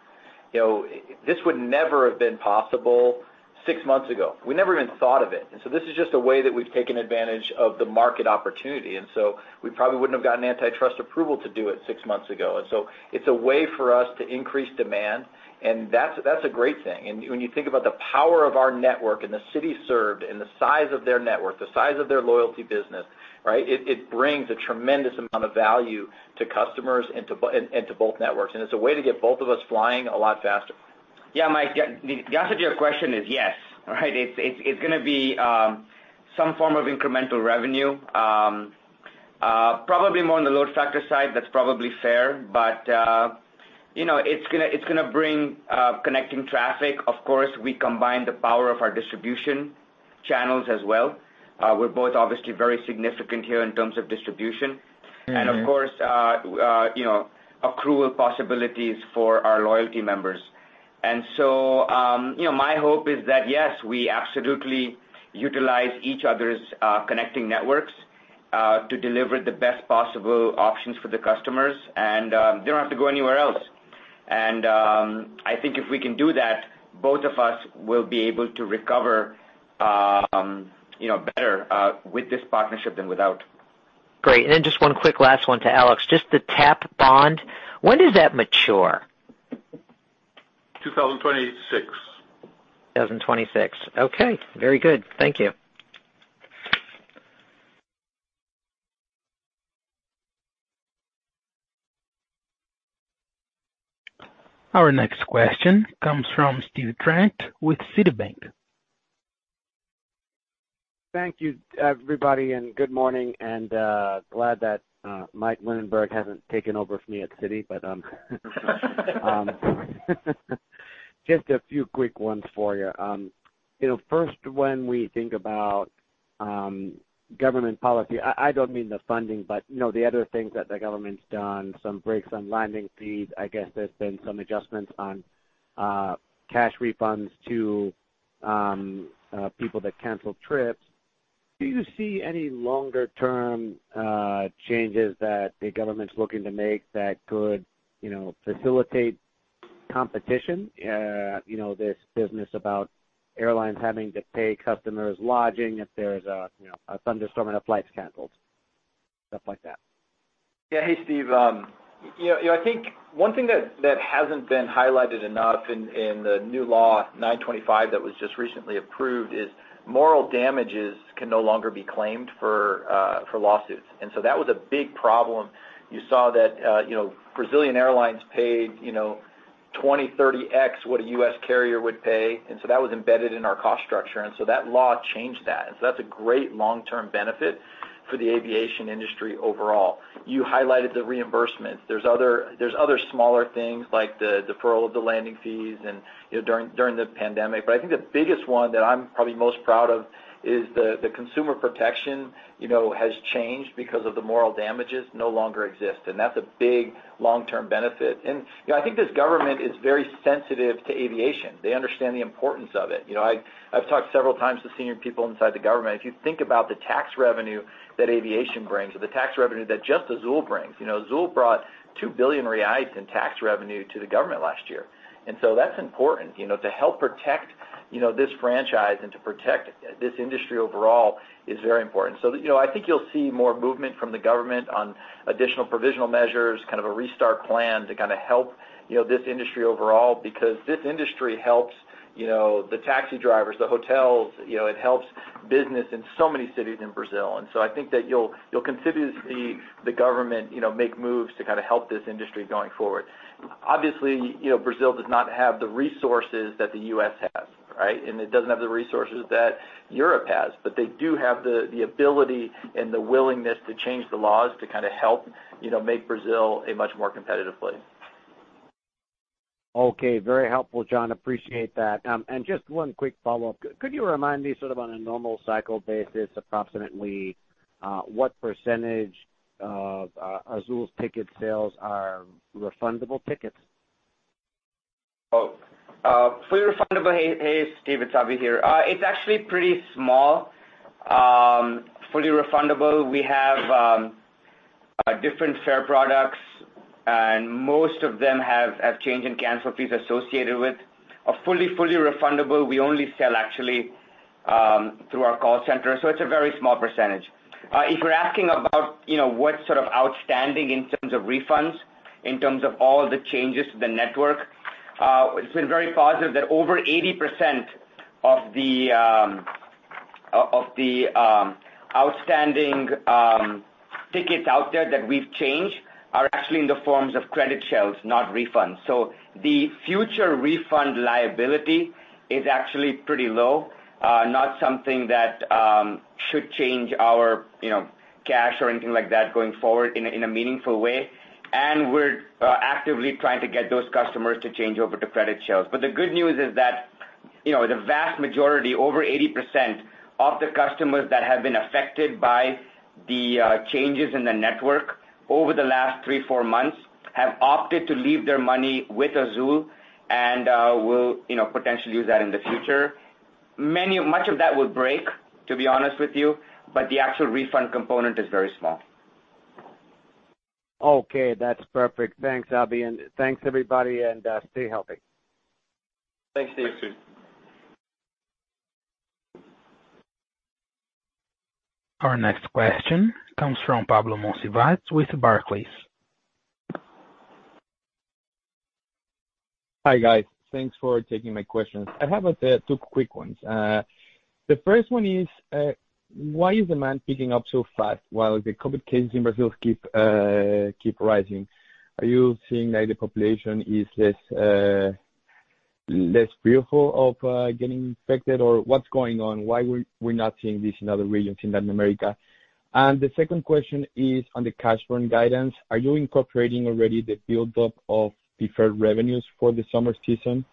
This would never have been possible six months ago. We never even thought of it. This is just a way that we've taken advantage of the market opportunity. We probably wouldn't have gotten antitrust approval to do it six months ago. It's a way for us to increase demand, and that's a great thing. When you think about the power of our network and the cities served and the size of their network, the size of their loyalty business, right? It brings a tremendous amount of value to customers and to both networks, and it's a way to get both of us flying a lot faster. Yeah, Mike, the answer to your question is yes. All right? It's going to be some form of incremental revenue. Probably more on the load factor side, that's probably fair, but it's going to bring connecting traffic. Of course, we combine the power of our distribution channels as well. We're both obviously very significant here in terms of distribution. Of course, accrual possibilities for our loyalty members. My hope is that, yes, we absolutely utilize each other's connecting networks to deliver the best possible options for the customers, and they don't have to go anywhere else. I think if we can do that, both of us will be able to recover better with this partnership than without. Great. Then just one quick last one to Alex. Just the TAP bond. When does that mature? 2026. 2026. Okay. Very good. Thank you. Our next question comes from Steve Trent with Citibank. Thank you, everybody. Good morning. Glad that Mike Linenberg hasn't taken over for me at Citi, just a few quick ones for you. First, when we think about Government policy, I don't mean the funding, the other things that the Government's done, some breaks on landing fees, I guess there's been some adjustments on cash refunds to people that canceled trips. Do you see any longer-term changes that the Government's looking to make that could facilitate competition? This business about airlines having to pay customers lodging if there's a thunderstorm and a flight's canceled, stuff like that. Hey, Steve. I think one thing that hasn't been highlighted enough in the new Law 925 that was just recently approved is moral damages can no longer be claimed for lawsuits. That was a big problem. You saw that Brazilian airlines paid 20x, 30x what a U.S. carrier would pay, that was embedded in our cost structure, that law changed that. That's a great long-term benefit for the aviation industry overall. You highlighted the reimbursement. There's other smaller things like the deferral of the landing fees during the pandemic. I think the biggest one that I'm probably most proud of is the consumer protection has changed because of the moral damages no longer exist, that's a big long-term benefit. I think this government is very sensitive to aviation. They understand the importance of it. I've talked several times to senior people inside the Government. If you think about the tax revenue that aviation brings or the tax revenue that just Azul brings. Azul brought 2 billion reais in tax revenue to the Government last year. That's important. To help protect this franchise and to protect this industry overall is very important. I think you'll see more movement from the Government on additional provisional measures, kind of a restart plan to help this industry overall, because this industry helps the taxi drivers, the hotels, it helps business in so many cities in Brazil. I think that you'll continue to see the Government make moves to help this industry going forward. Obviously, Brazil does not have the resources that the U.S. has, right? It doesn't have the resources that Europe has. They do have the ability and the willingness to change the laws to help make Brazil a much more competitive place. Okay. Very helpful, John. Appreciate that. Just one quick follow-up. Could you remind me, sort of on a normal cycle basis, approximately what percentage of Azul's ticket sales are refundable tickets? Oh, fully refundable. Hey, Steve, it's Abhi here. It's actually pretty small. Fully refundable, we have different fare products, and most of them have change and cancel fees associated with. A fully refundable, we only sell actually through our call center, so it's a very small percentage. If you're asking about what sort of outstanding in terms of refunds, in terms of all the changes to the network, it's been very positive that over 80% of the outstanding tickets out there that we've changed are actually in the forms of credit shells, not refunds. The future refund liability is actually pretty low, not something that should change our cash or anything like that going forward in a meaningful way. We're actively trying to get those customers to change over to credit shells. The good news is that the vast majority, over 80% of the customers that have been affected by the changes in the network over the last three, four months, have opted to leave their money with Azul and will potentially use that in the future. Much of that would break, to be honest with you, but the actual refund component is very small. Okay, that's perfect. Thanks, Abhi, and thanks, everybody, and stay healthy. Thanks, Steve. Thanks, Steve. Our next question comes from Pablo Monsivais with Barclays. Hi, guys. Thanks for taking my questions. I have two quick ones. The first one is why is demand picking up so fast while the COVID cases in Brazil keep rising? Are you seeing that the population is less fearful of getting infected, or what's going on? Why we're not seeing this in other regions in Latin America? The second question is on the cash burn guidance. Are you incorporating already the buildup of deferred revenues for the summer season?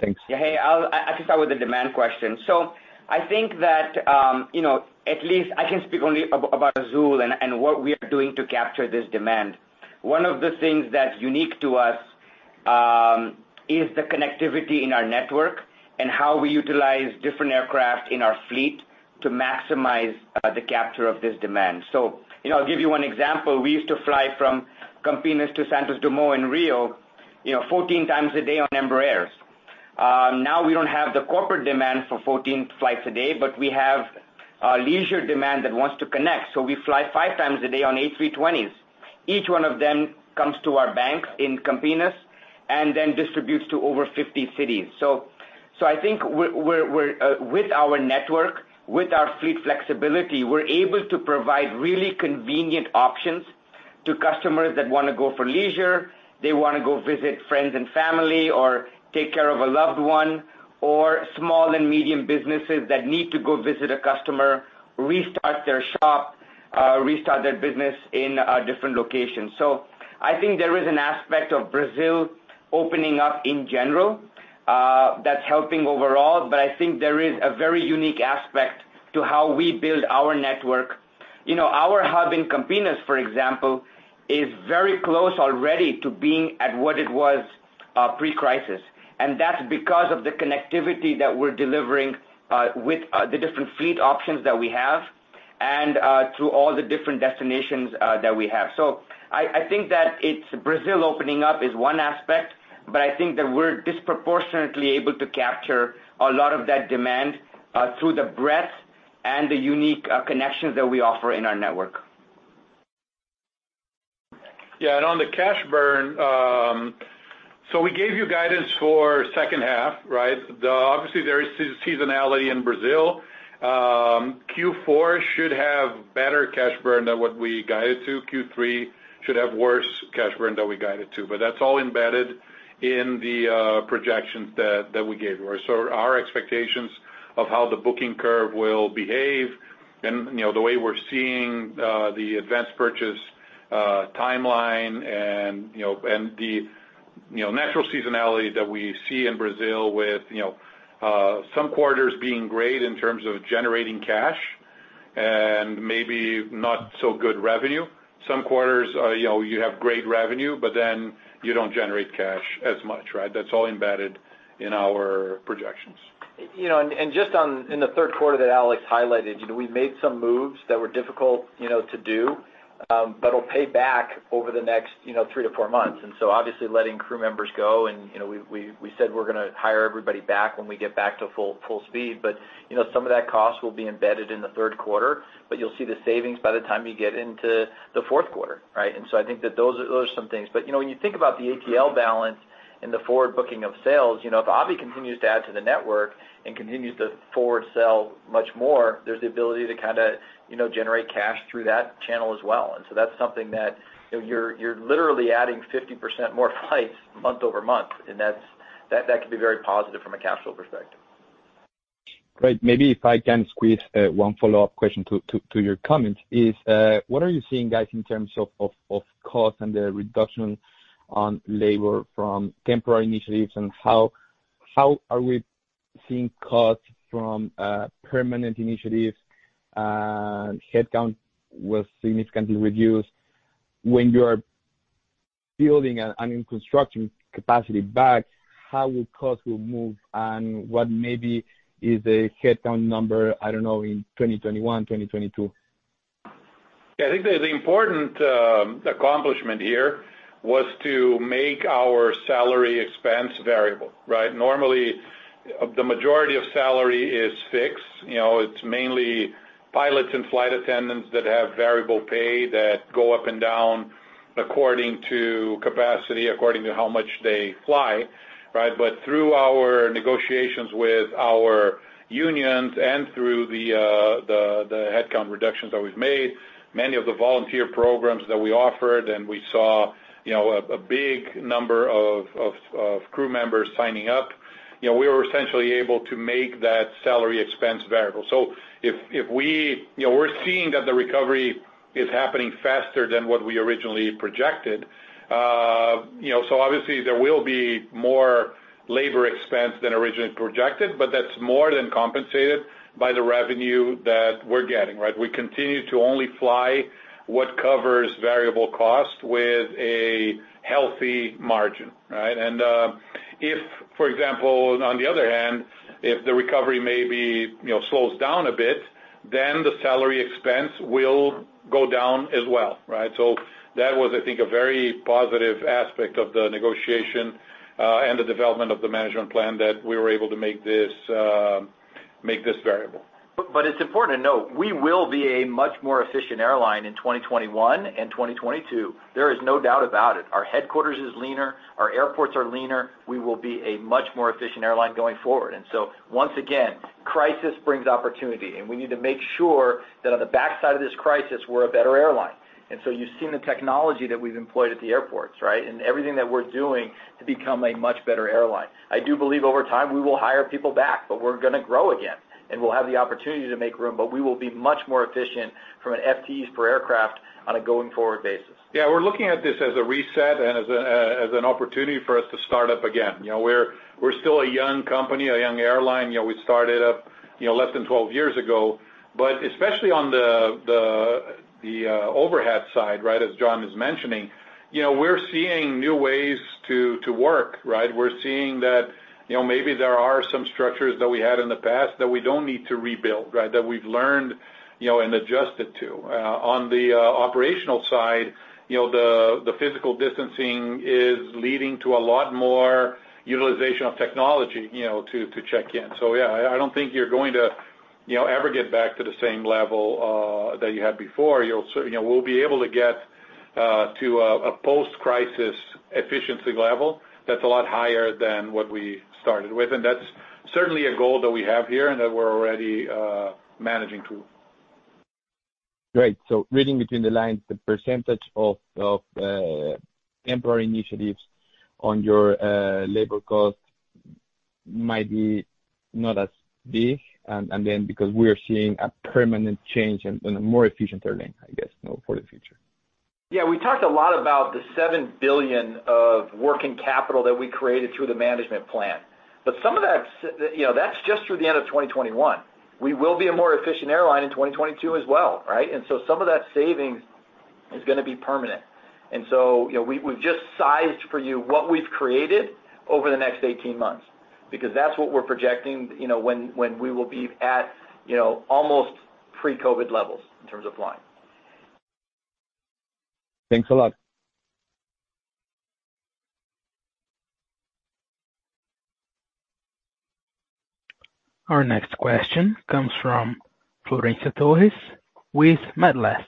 Thanks. Hey, I can start with the demand question. I think that, at least I can speak only about Azul and what we are doing to capture this demand. One of the things that's unique to us is the connectivity in our network and how we utilize different aircraft in our fleet to maximize the capture of this demand. I'll give you one example. We used to fly from Campinas to Santos Dumont in Rio 14x a day on Embraers. Now we don't have the corporate demand for 14 flights a day, but we have leisure demand that wants to connect, we fly five times a day on A320s. Each one of them comes to our bank in Campinas and then distributes to over 50 cities. I think with our network, with our fleet flexibility, we're able to provide really convenient options to customers that want to go for leisure, they want to go visit friends and family or take care of a loved one, or small and medium businesses that need to go visit a customer, restart their shop, restart their business in a different location. I think there is an aspect of Brazil opening up in general that's helping overall, but I think there is a very unique aspect to how we build our network. Our hub in Campinas, for example, is very close already to being at what it was pre-crisis. That's because of the connectivity that we're delivering with the different fleet options that we have and through all the different destinations that we have. I think that it's Brazil opening up is one aspect, but I think that we're disproportionately able to capture a lot of that demand through the breadth and the unique connections that we offer in our network. On the cash burn, we gave you guidance for second half, right? Obviously, there is seasonality in Brazil. Q4 should have better cash burn than what we guided to. Q3 should have worse cash burn than we guided to. That's all embedded. In the projections that we gave you. Our expectations of how the booking curve will behave and the way we're seeing the advanced purchase timeline and the natural seasonality that we see in Brazil with some quarters being great in terms of generating cash and maybe not so good revenue. Some quarters you have great revenue, you don't generate cash as much, right? That's all embedded in our projections. Just in the third quarter that Alex highlighted, we made some moves that were difficult to do, but it'll pay back over the next three to four months. Obviously letting crew members go, and we said we're going to hire everybody back when we get back to full speed. Some of that cost will be embedded in the third quarter, but you'll see the savings by the time you get into the fourth quarter, right? I think that those are some things. When you think about the ATL balance and the forward booking of sales, if Abhi continues to add to the network and continues to forward sell much more, there's the ability to kind of generate cash through that channel as well. That's something that you're literally adding 50% more flights month-over-month, and that could be very positive from a cash flow perspective. Great. Maybe if I can squeeze one follow-up question to your comments is, what are you seeing, guys, in terms of cost and the reduction on labor from temporary initiatives, how are we seeing costs from permanent initiatives and headcount was significantly reduced. When you are building and constructing capacity back, how will cost move and what maybe is a headcount number, I don't know, in 2021, 2022? Yeah, I think the important accomplishment here was to make our salary expense variable, right? Normally, the majority of salary is fixed. It's mainly pilots and flight attendants that have variable pay that go up and down according to capacity, according to how much they fly, right? Through our negotiations with our unions and through the headcount reductions that we've made, many of the volunteer programs that we offered, and we saw a big number of crew members signing up. We were essentially able to make that salary expense variable. We're seeing that the recovery is happening faster than what we originally projected. Obviously, there will be more labor expense than originally projected, but that's more than compensated by the revenue that we're getting, right? We continue to only fly what covers variable cost with a healthy margin, right? If, for example, on the other hand, if the recovery maybe slows down a bit, then the salary expense will go down as well, right? That was, I think, a very positive aspect of the negotiation and the development of the management plan that we were able to make this variable. It's important to note, we will be a much more efficient airline in 2021 and 2022. There is no doubt about it. Our headquarters is leaner. Our airports are leaner. We will be a much more efficient airline going forward. Once again, crisis brings opportunity, and we need to make sure that on the backside of this crisis, we're a better airline. You've seen the technology that we've employed at the airports, right? Everything that we're doing to become a much better airline. I do believe over time we will hire people back, but we're going to grow again, and we'll have the opportunity to make room. We will be much more efficient from an FTEs per aircraft on a going forward basis. Yeah, we're looking at this as a reset and as an opportunity for us to start up again. We're still a young company, a young airline. We started up less than 12 years ago. Especially on the overhead side, right, as John is mentioning, we're seeing new ways to work, right? We're seeing that maybe there are some structures that we had in the past that we don't need to rebuild, right? That we've learned and adjusted to. On the operational side, the physical distancing is leading to a lot more utilization of technology to check in. Yeah, I don't think you're going to ever get back to the same level that you had before. We'll be able to get to a post-crisis efficiency level that's a lot higher than what we started with, and that's certainly a goal that we have here and that we're already managing to. Great. Reading between the lines, the percentage of temporary initiatives on your labor cost might be not as big, because we are seeing a permanent change and a more efficient airline, I guess, for the future. Yeah, we talked a lot about the 7 billion of working capital that we created through the management plan. Some of that's just through the end of 2021. We will be a more efficient airline in 2022 as well, right? So some of that savings is going to be permanent. So, we've just sized for you what we've created over the next 18 months, because that's what we're projecting when we will be at almost pre-COVID levels in terms of flying. Thanks a lot. Our next question comes from Florencia Torres with MetLife.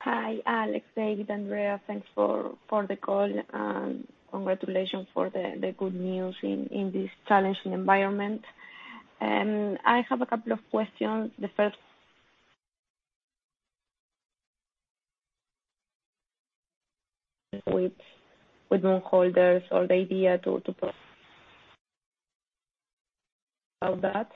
Hi, Alex, David, Andrea. Thanks for the call, and congratulations for the good news in this challenging environment. I have a couple of questions. The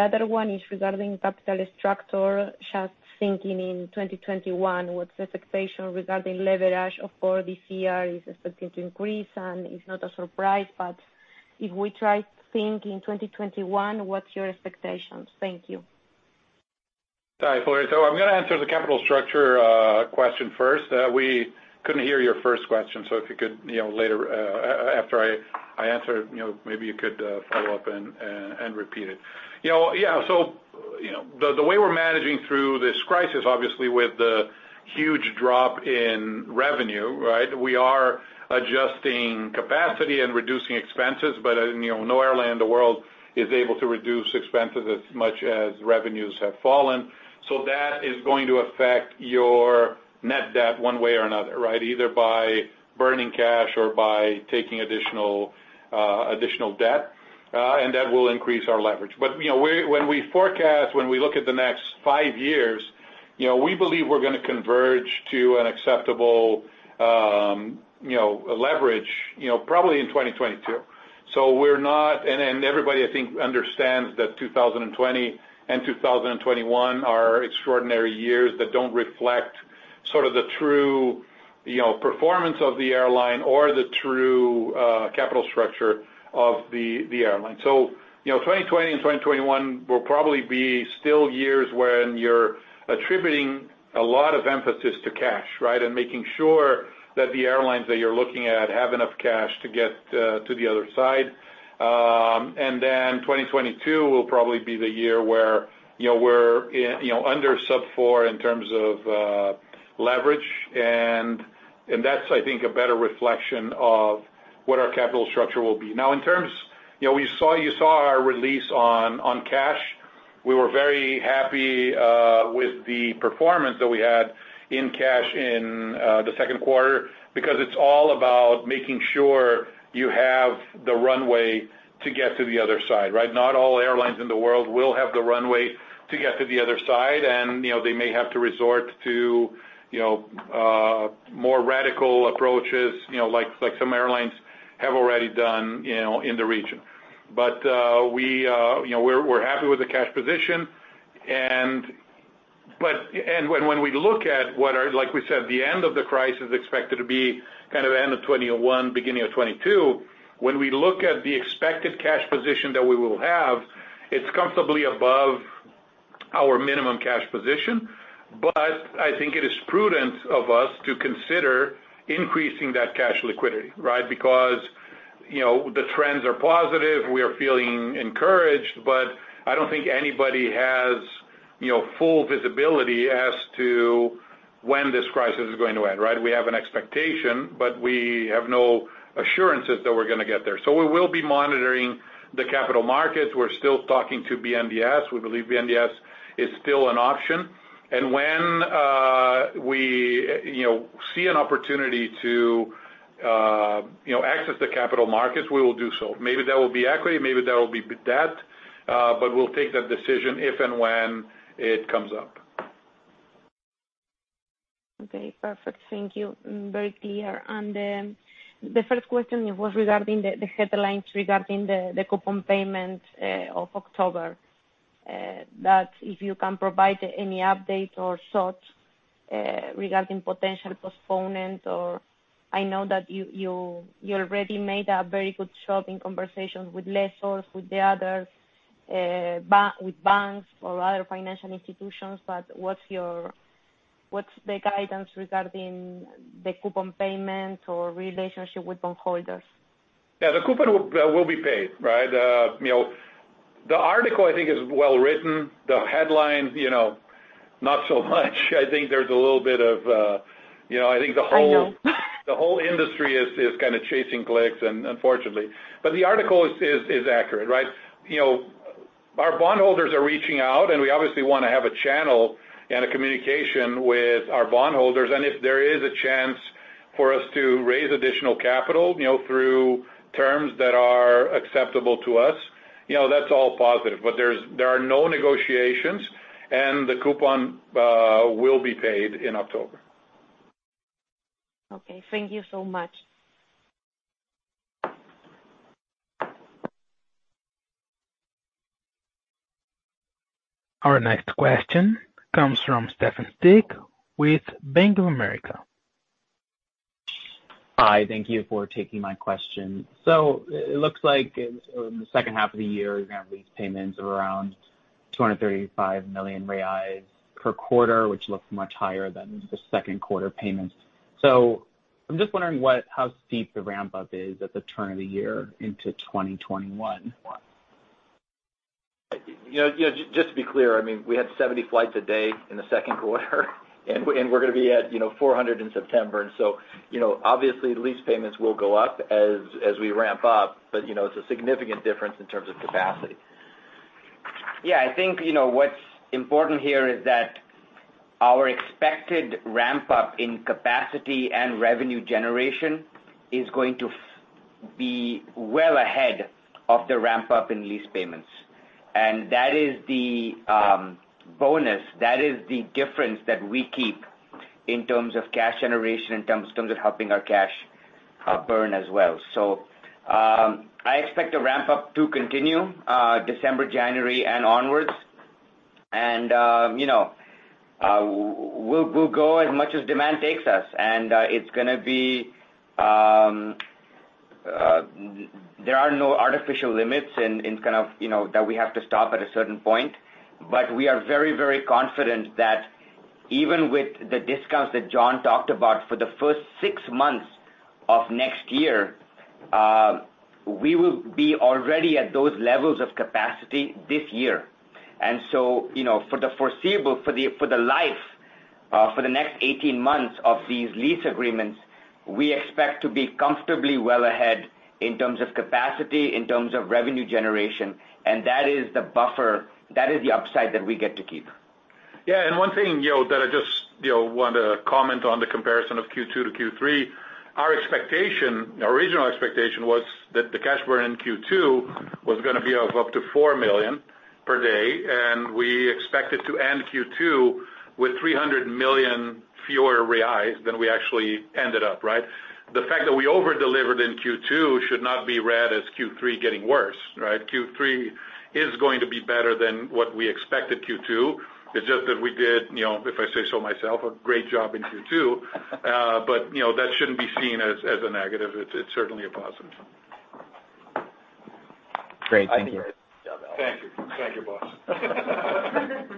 other one is regarding capital structure. Just thinking in 2021, what's the expectation regarding leverage? Of course, this year is expected to increase, and it's not a surprise. If we try to think in 2021, what's your expectations? Thank you. Hi, Flor. I'm going to answer the capital structure question first. We couldn't hear your first question. If you could later, after I answer, maybe you could follow up and repeat it. The way we're managing through this crisis, obviously, with the huge drop in revenue, we are adjusting capacity and reducing expenses. No airline in the world is able to reduce expenses as much as revenues have fallen. That is going to affect your net debt one way or another. Either by burning cash or by taking additional debt, that will increase our leverage. When we forecast, when we look at the next five years, we believe we're going to converge to an acceptable leverage probably in 2022. Everybody, I think, understands that 2020 and 2021 are extraordinary years that don't reflect sort of the true performance of the airline or the true capital structure of the airline. 2020 and 2021 will probably be still years when you're attributing a lot of emphasis to cash and making sure that the airlines that you're looking at have enough cash to get to the other side. Then 2022 will probably be the year where we're under sub-four in terms of leverage, and that's, I think, a better reflection of what our capital structure will be. You saw our release on cash. We were very happy with the performance that we had in cash in the second quarter because it's all about making sure you have the runway to get to the other side. Not all airlines in the world will have the runway to get to the other side, and they may have to resort to more radical approaches, like some airlines have already done in the region. We're happy with the cash position. When we look at what are, like we said, the end of the crisis, expected to be kind of end of 2021, beginning of 2022. When we look at the expected cash position that we will have, it's comfortably above our minimum cash position. I think it is prudent of us to consider increasing that cash liquidity. The trends are positive, we are feeling encouraged, but I don't think anybody has full visibility as to when this crisis is going to end. We have an expectation, but we have no assurances that we're going to get there. We will be monitoring the capital markets. We're still talking to BNDES. We believe BNDES is still an option. When we see an opportunity to access the capital markets, we will do so. Maybe that will be equity, maybe that will be debt. We'll take that decision if and when it comes up. Okay, perfect. Thank you. Very clear. The first question was regarding the headlines regarding the coupon payment of October, that if you can provide any update or thoughts regarding potential postponement or I know that you already made a very good job in conversations with lessors, with banks or other financial institutions. What's the guidance regarding the coupon payment or relationship with bondholders? Yeah. The coupon will be paid. The article, I think, is well-written. The headline, not so much. I know. I think the whole industry is kind of chasing clicks, unfortunately. The article is accurate. Our bondholders are reaching out, and we obviously want to have a channel and a communication with our bondholders. If there is a chance for us to raise additional capital through terms that are acceptable to us, that's all positive. There are no negotiations, and the coupon will be paid in October. Okay. Thank you so much. Our next question comes from Stefan Styk with Bank of America. Hi. Thank you for taking my question. It looks like in the second half of the year, you're going to have lease payments of around 235 million reais per quarter, which looks much higher than the second quarter payments. I'm just wondering how steep the ramp-up is at the turn of the year into 2021. Just to be clear, we had 70 flights a day in the second quarter and we're going to be at 400 in September. Obviously, lease payments will go up as we ramp up. It's a significant difference in terms of capacity. Yeah. I think what's important here is that our expected ramp-up in capacity and revenue generation is going to be well ahead of the ramp-up in lease payments. That is the bonus. That is the difference that we keep in terms of cash generation, in terms of helping our cash burn as well. I expect the ramp-up to continue December, January, and onwards. We'll go as much as demand takes us, and there are no artificial limits that we have to stop at a certain point. We are very confident that even with the discounts that John talked about for the first six months of next year, we will be already at those levels of capacity this year. For the next 18 months of these lease agreements, we expect to be comfortably well ahead in terms of capacity, in terms of revenue generation, and that is the buffer, that is the upside that we get to keep. Yeah. One thing that I just want to comment on the comparison of Q2 to Q3, our original expectation was that the cash burn in Q2 was going to be of up to 4 million per day, and we expected to end Q2 with 300 million reais fewer reals than we actually ended up. The fact that we over-delivered in Q2 should not be read as Q3 getting worse. Q3 is going to be better than what we expected Q2. It's just that we did, if I say so myself, a great job in Q2. That shouldn't be seen as a negative. It's certainly a positive. Great. Thank you. Thank you. Thank you, boss.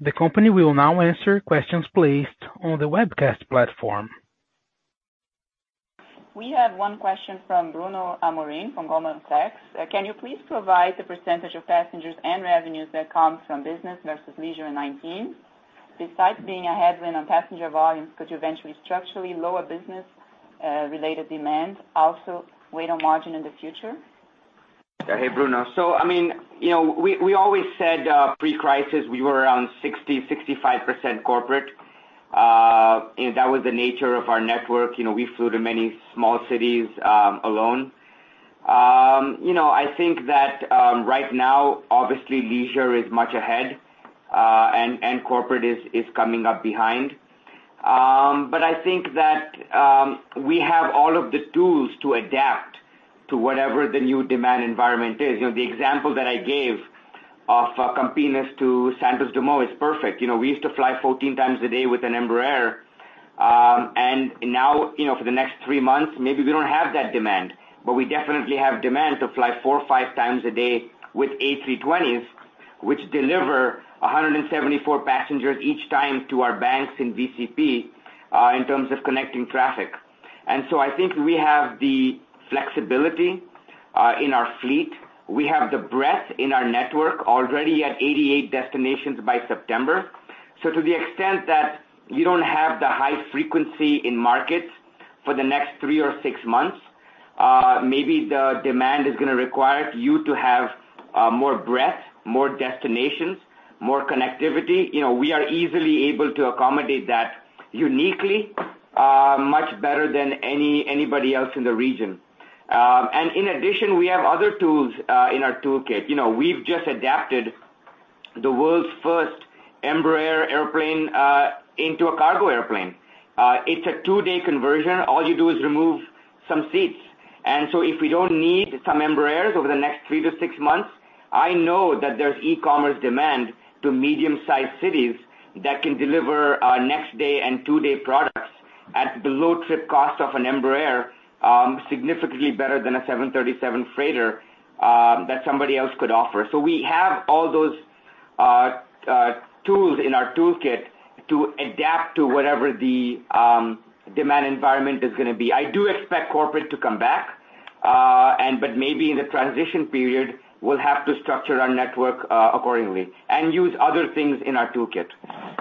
The company will now answer questions placed on the webcast platform. We have one question from Bruno Amorim from Goldman Sachs. Can you please provide the % of passengers and revenues that come from business versus leisure in 2019? Besides being a headwind on passenger volume, could you eventually structurally lower business-related demand, also weight on margin in the future? Hey, Bruno. We always said pre-crisis, we were around 60%, 65% corporate. That was the nature of our network. We flew to many small cities alone. I think that right now, obviously leisure is much ahead, and corporate is coming up behind. I think that we have all of the tools to adapt to whatever the new demand environment is. The example that I gave of Campinas to Santos Dumont is perfect. We used to fly 14x a day with an Embraer, and now, for the next three months, maybe we don't have that demand, but we definitely have demand to fly 4x or 5x a day with A320s, which deliver 174 passengers each time to our banks in VCP, in terms of connecting traffic. I think we have the flexibility in our fleet. We have the breadth in our network already at 88 destinations by September. To the extent that you don't have the high frequency in markets for the next three or six months, maybe the demand is going to require you to have more breadth, more destinations, more connectivity. We are easily able to accommodate that uniquely, much better than anybody else in the region. In addition, we have other tools in our toolkit. We've just adapted the world's first Embraer airplane into a cargo airplane. It's a two-day conversion. All you do is remove some seats. If we don't need some Embraers over the next three to six months, I know that there's e-commerce demand to medium-sized cities that can deliver next-day and two-day products at the low trip cost of an Embraer, significantly better than a 737 freighter that somebody else could offer. We have all those tools in our toolkit to adapt to whatever the demand environment is going to be. I do expect corporate to come back, but maybe in the transition period, we'll have to structure our network accordingly and use other things in our toolkit.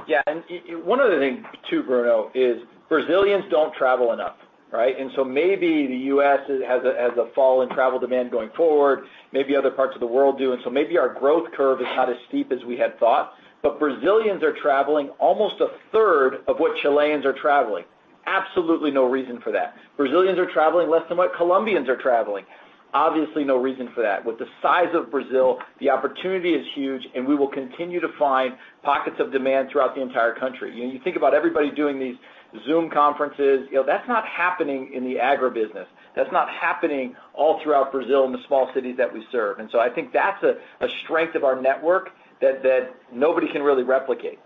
Yeah. One other thing too, Bruno, is Brazilians don't travel enough. Maybe the U.S. has a fall in travel demand going forward, maybe other parts of the world do, and so maybe our growth curve is not as steep as we had thought. Brazilians are traveling almost a third of what Chileans are traveling. Absolutely no reason for that. Brazilians are traveling less than what Colombians are traveling. Obviously, no reason for that. With the size of Brazil, the opportunity is huge, and we will continue to find pockets of demand throughout the entire country. You think about everybody doing these Zoom conferences, that's not happening in the agribusiness. That's not happening all throughout Brazil in the small cities that we serve. I think that's a strength of our network that nobody can really replicate.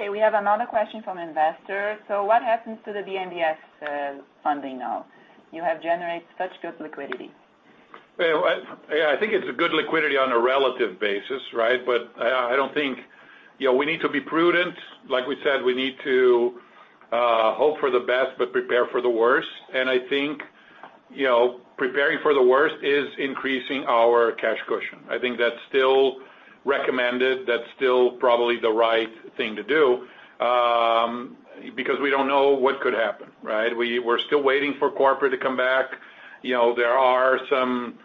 Okay. We have another question from investors. What happens to the BNDES funding now? You have generated such good liquidity. I think it's a good liquidity on a relative basis. We need to be prudent. Like we said, we need to hope for the best, but prepare for the worst. I think preparing for the worst is increasing our cash cushion. I think that's still recommended. That's still probably the right thing to do. Because we don't know what could happen, right? We're still waiting for corporate to come back. There are some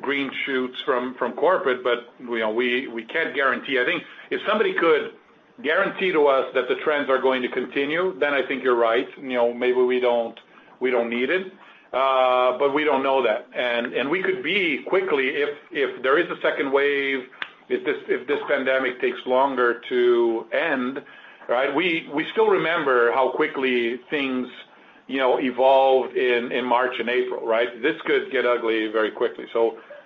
green shoots from corporate, but we can't guarantee. I think if somebody could guarantee to us that the trends are going to continue, then I think you're right. Maybe we don't need it, but we don't know that. We could be quickly, if there is a second wave, if this pandemic takes longer to end. We still remember how quickly things evolved in March and April, right? This could get ugly very quickly.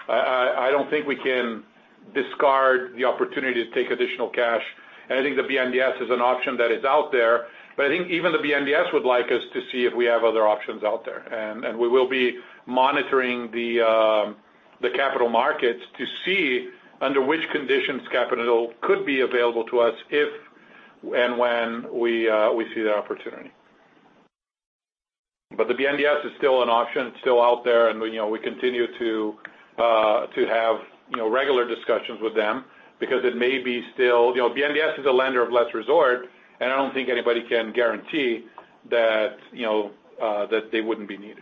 I don't think we can discard the opportunity to take additional cash. I think the BNDES is an option that is out there. I think even the BNDES would like us to see if we have other options out there. We will be monitoring the capital markets to see under which conditions capital could be available to us if and when we see the opportunity. The BNDES is still an option. It's still out there. We continue to have regular discussions with them because BNDES is a lender of last resort. I don't think anybody can guarantee that they wouldn't be needed.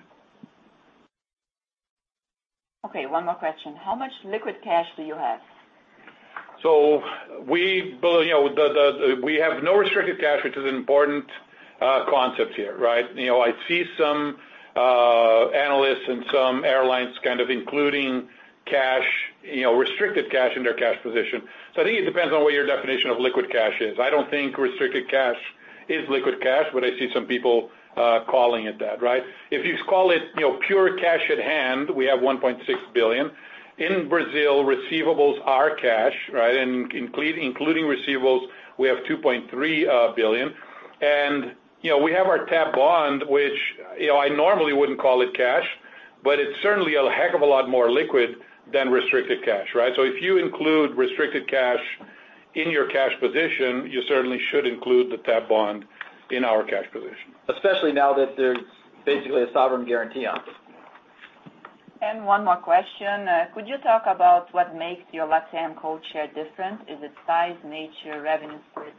Okay, one more question. How much liquid cash do you have? We have no restricted cash, which is an important concept here, right? I see some analysts and some airlines kind of including restricted cash in their cash position. I think it depends on what your definition of liquid cash is. I don't think restricted cash is liquid cash, I see some people calling it that, right? If you call it pure cash at hand, we have 1.6 billion. In Brazil, receivables are cash, right? Including receivables, we have 2.3 billion. We have our TAP bond, which I normally wouldn't call it cash, but it's certainly a heck of a lot more liquid than restricted cash, right? If you include restricted cash in your cash position, you certainly should include the TAP bond in our cash position. Especially now that there's basically a sovereign guarantee on it. One more question. Could you talk about what makes your LatAm codeshare different? Is it size, nature, revenue split?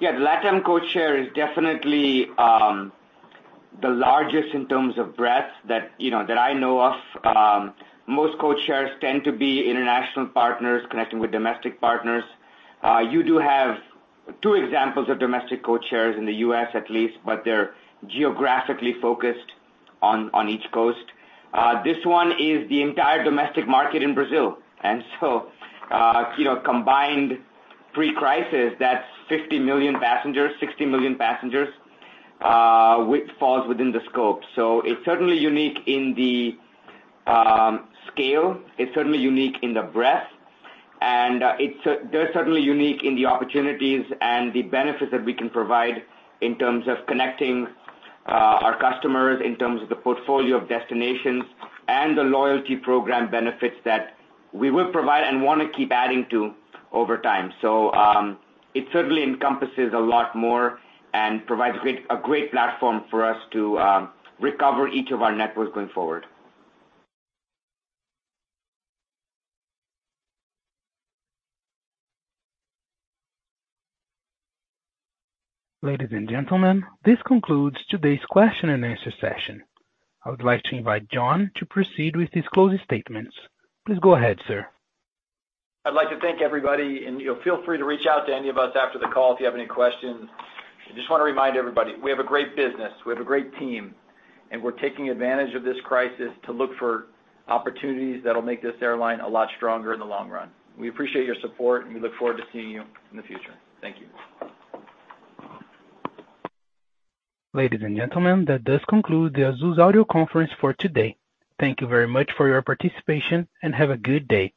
Yeah, the LatAm codeshare is definitely the largest in terms of breadth that I know of. Most codeshares tend to be international partners connecting with domestic partners. You do have two examples of domestic codeshares in the U.S., at least, but they're geographically focused on each coast. This one is the entire domestic market in Brazil. Combined pre-crisis, that's 50 million passengers, 60 million passengers, which falls within the scope. It's certainly unique in the scale. It's certainly unique in the breadth, and they're certainly unique in the opportunities and the benefits that we can provide in terms of connecting our customers, in terms of the portfolio of destinations and the loyalty program benefits that we will provide and want to keep adding to over time. It certainly encompasses a lot more and provides a great platform for us to recover each of our networks going forward. Ladies and gentlemen, this concludes today's question and answer session. I would like to invite John to proceed with his closing statements. Please go ahead, sir. I'd like to thank everybody, and feel free to reach out to any of us after the call if you have any questions. I just want to remind everybody, we have a great business, we have a great team, and we're taking advantage of this crisis to look for opportunities that'll make this airline a lot stronger in the long run. We appreciate your support, and we look forward to seeing you in the future. Thank you. Ladies and gentlemen, that does conclude the Azul's audio conference for today. Thank you very much for your participation, and have a good day.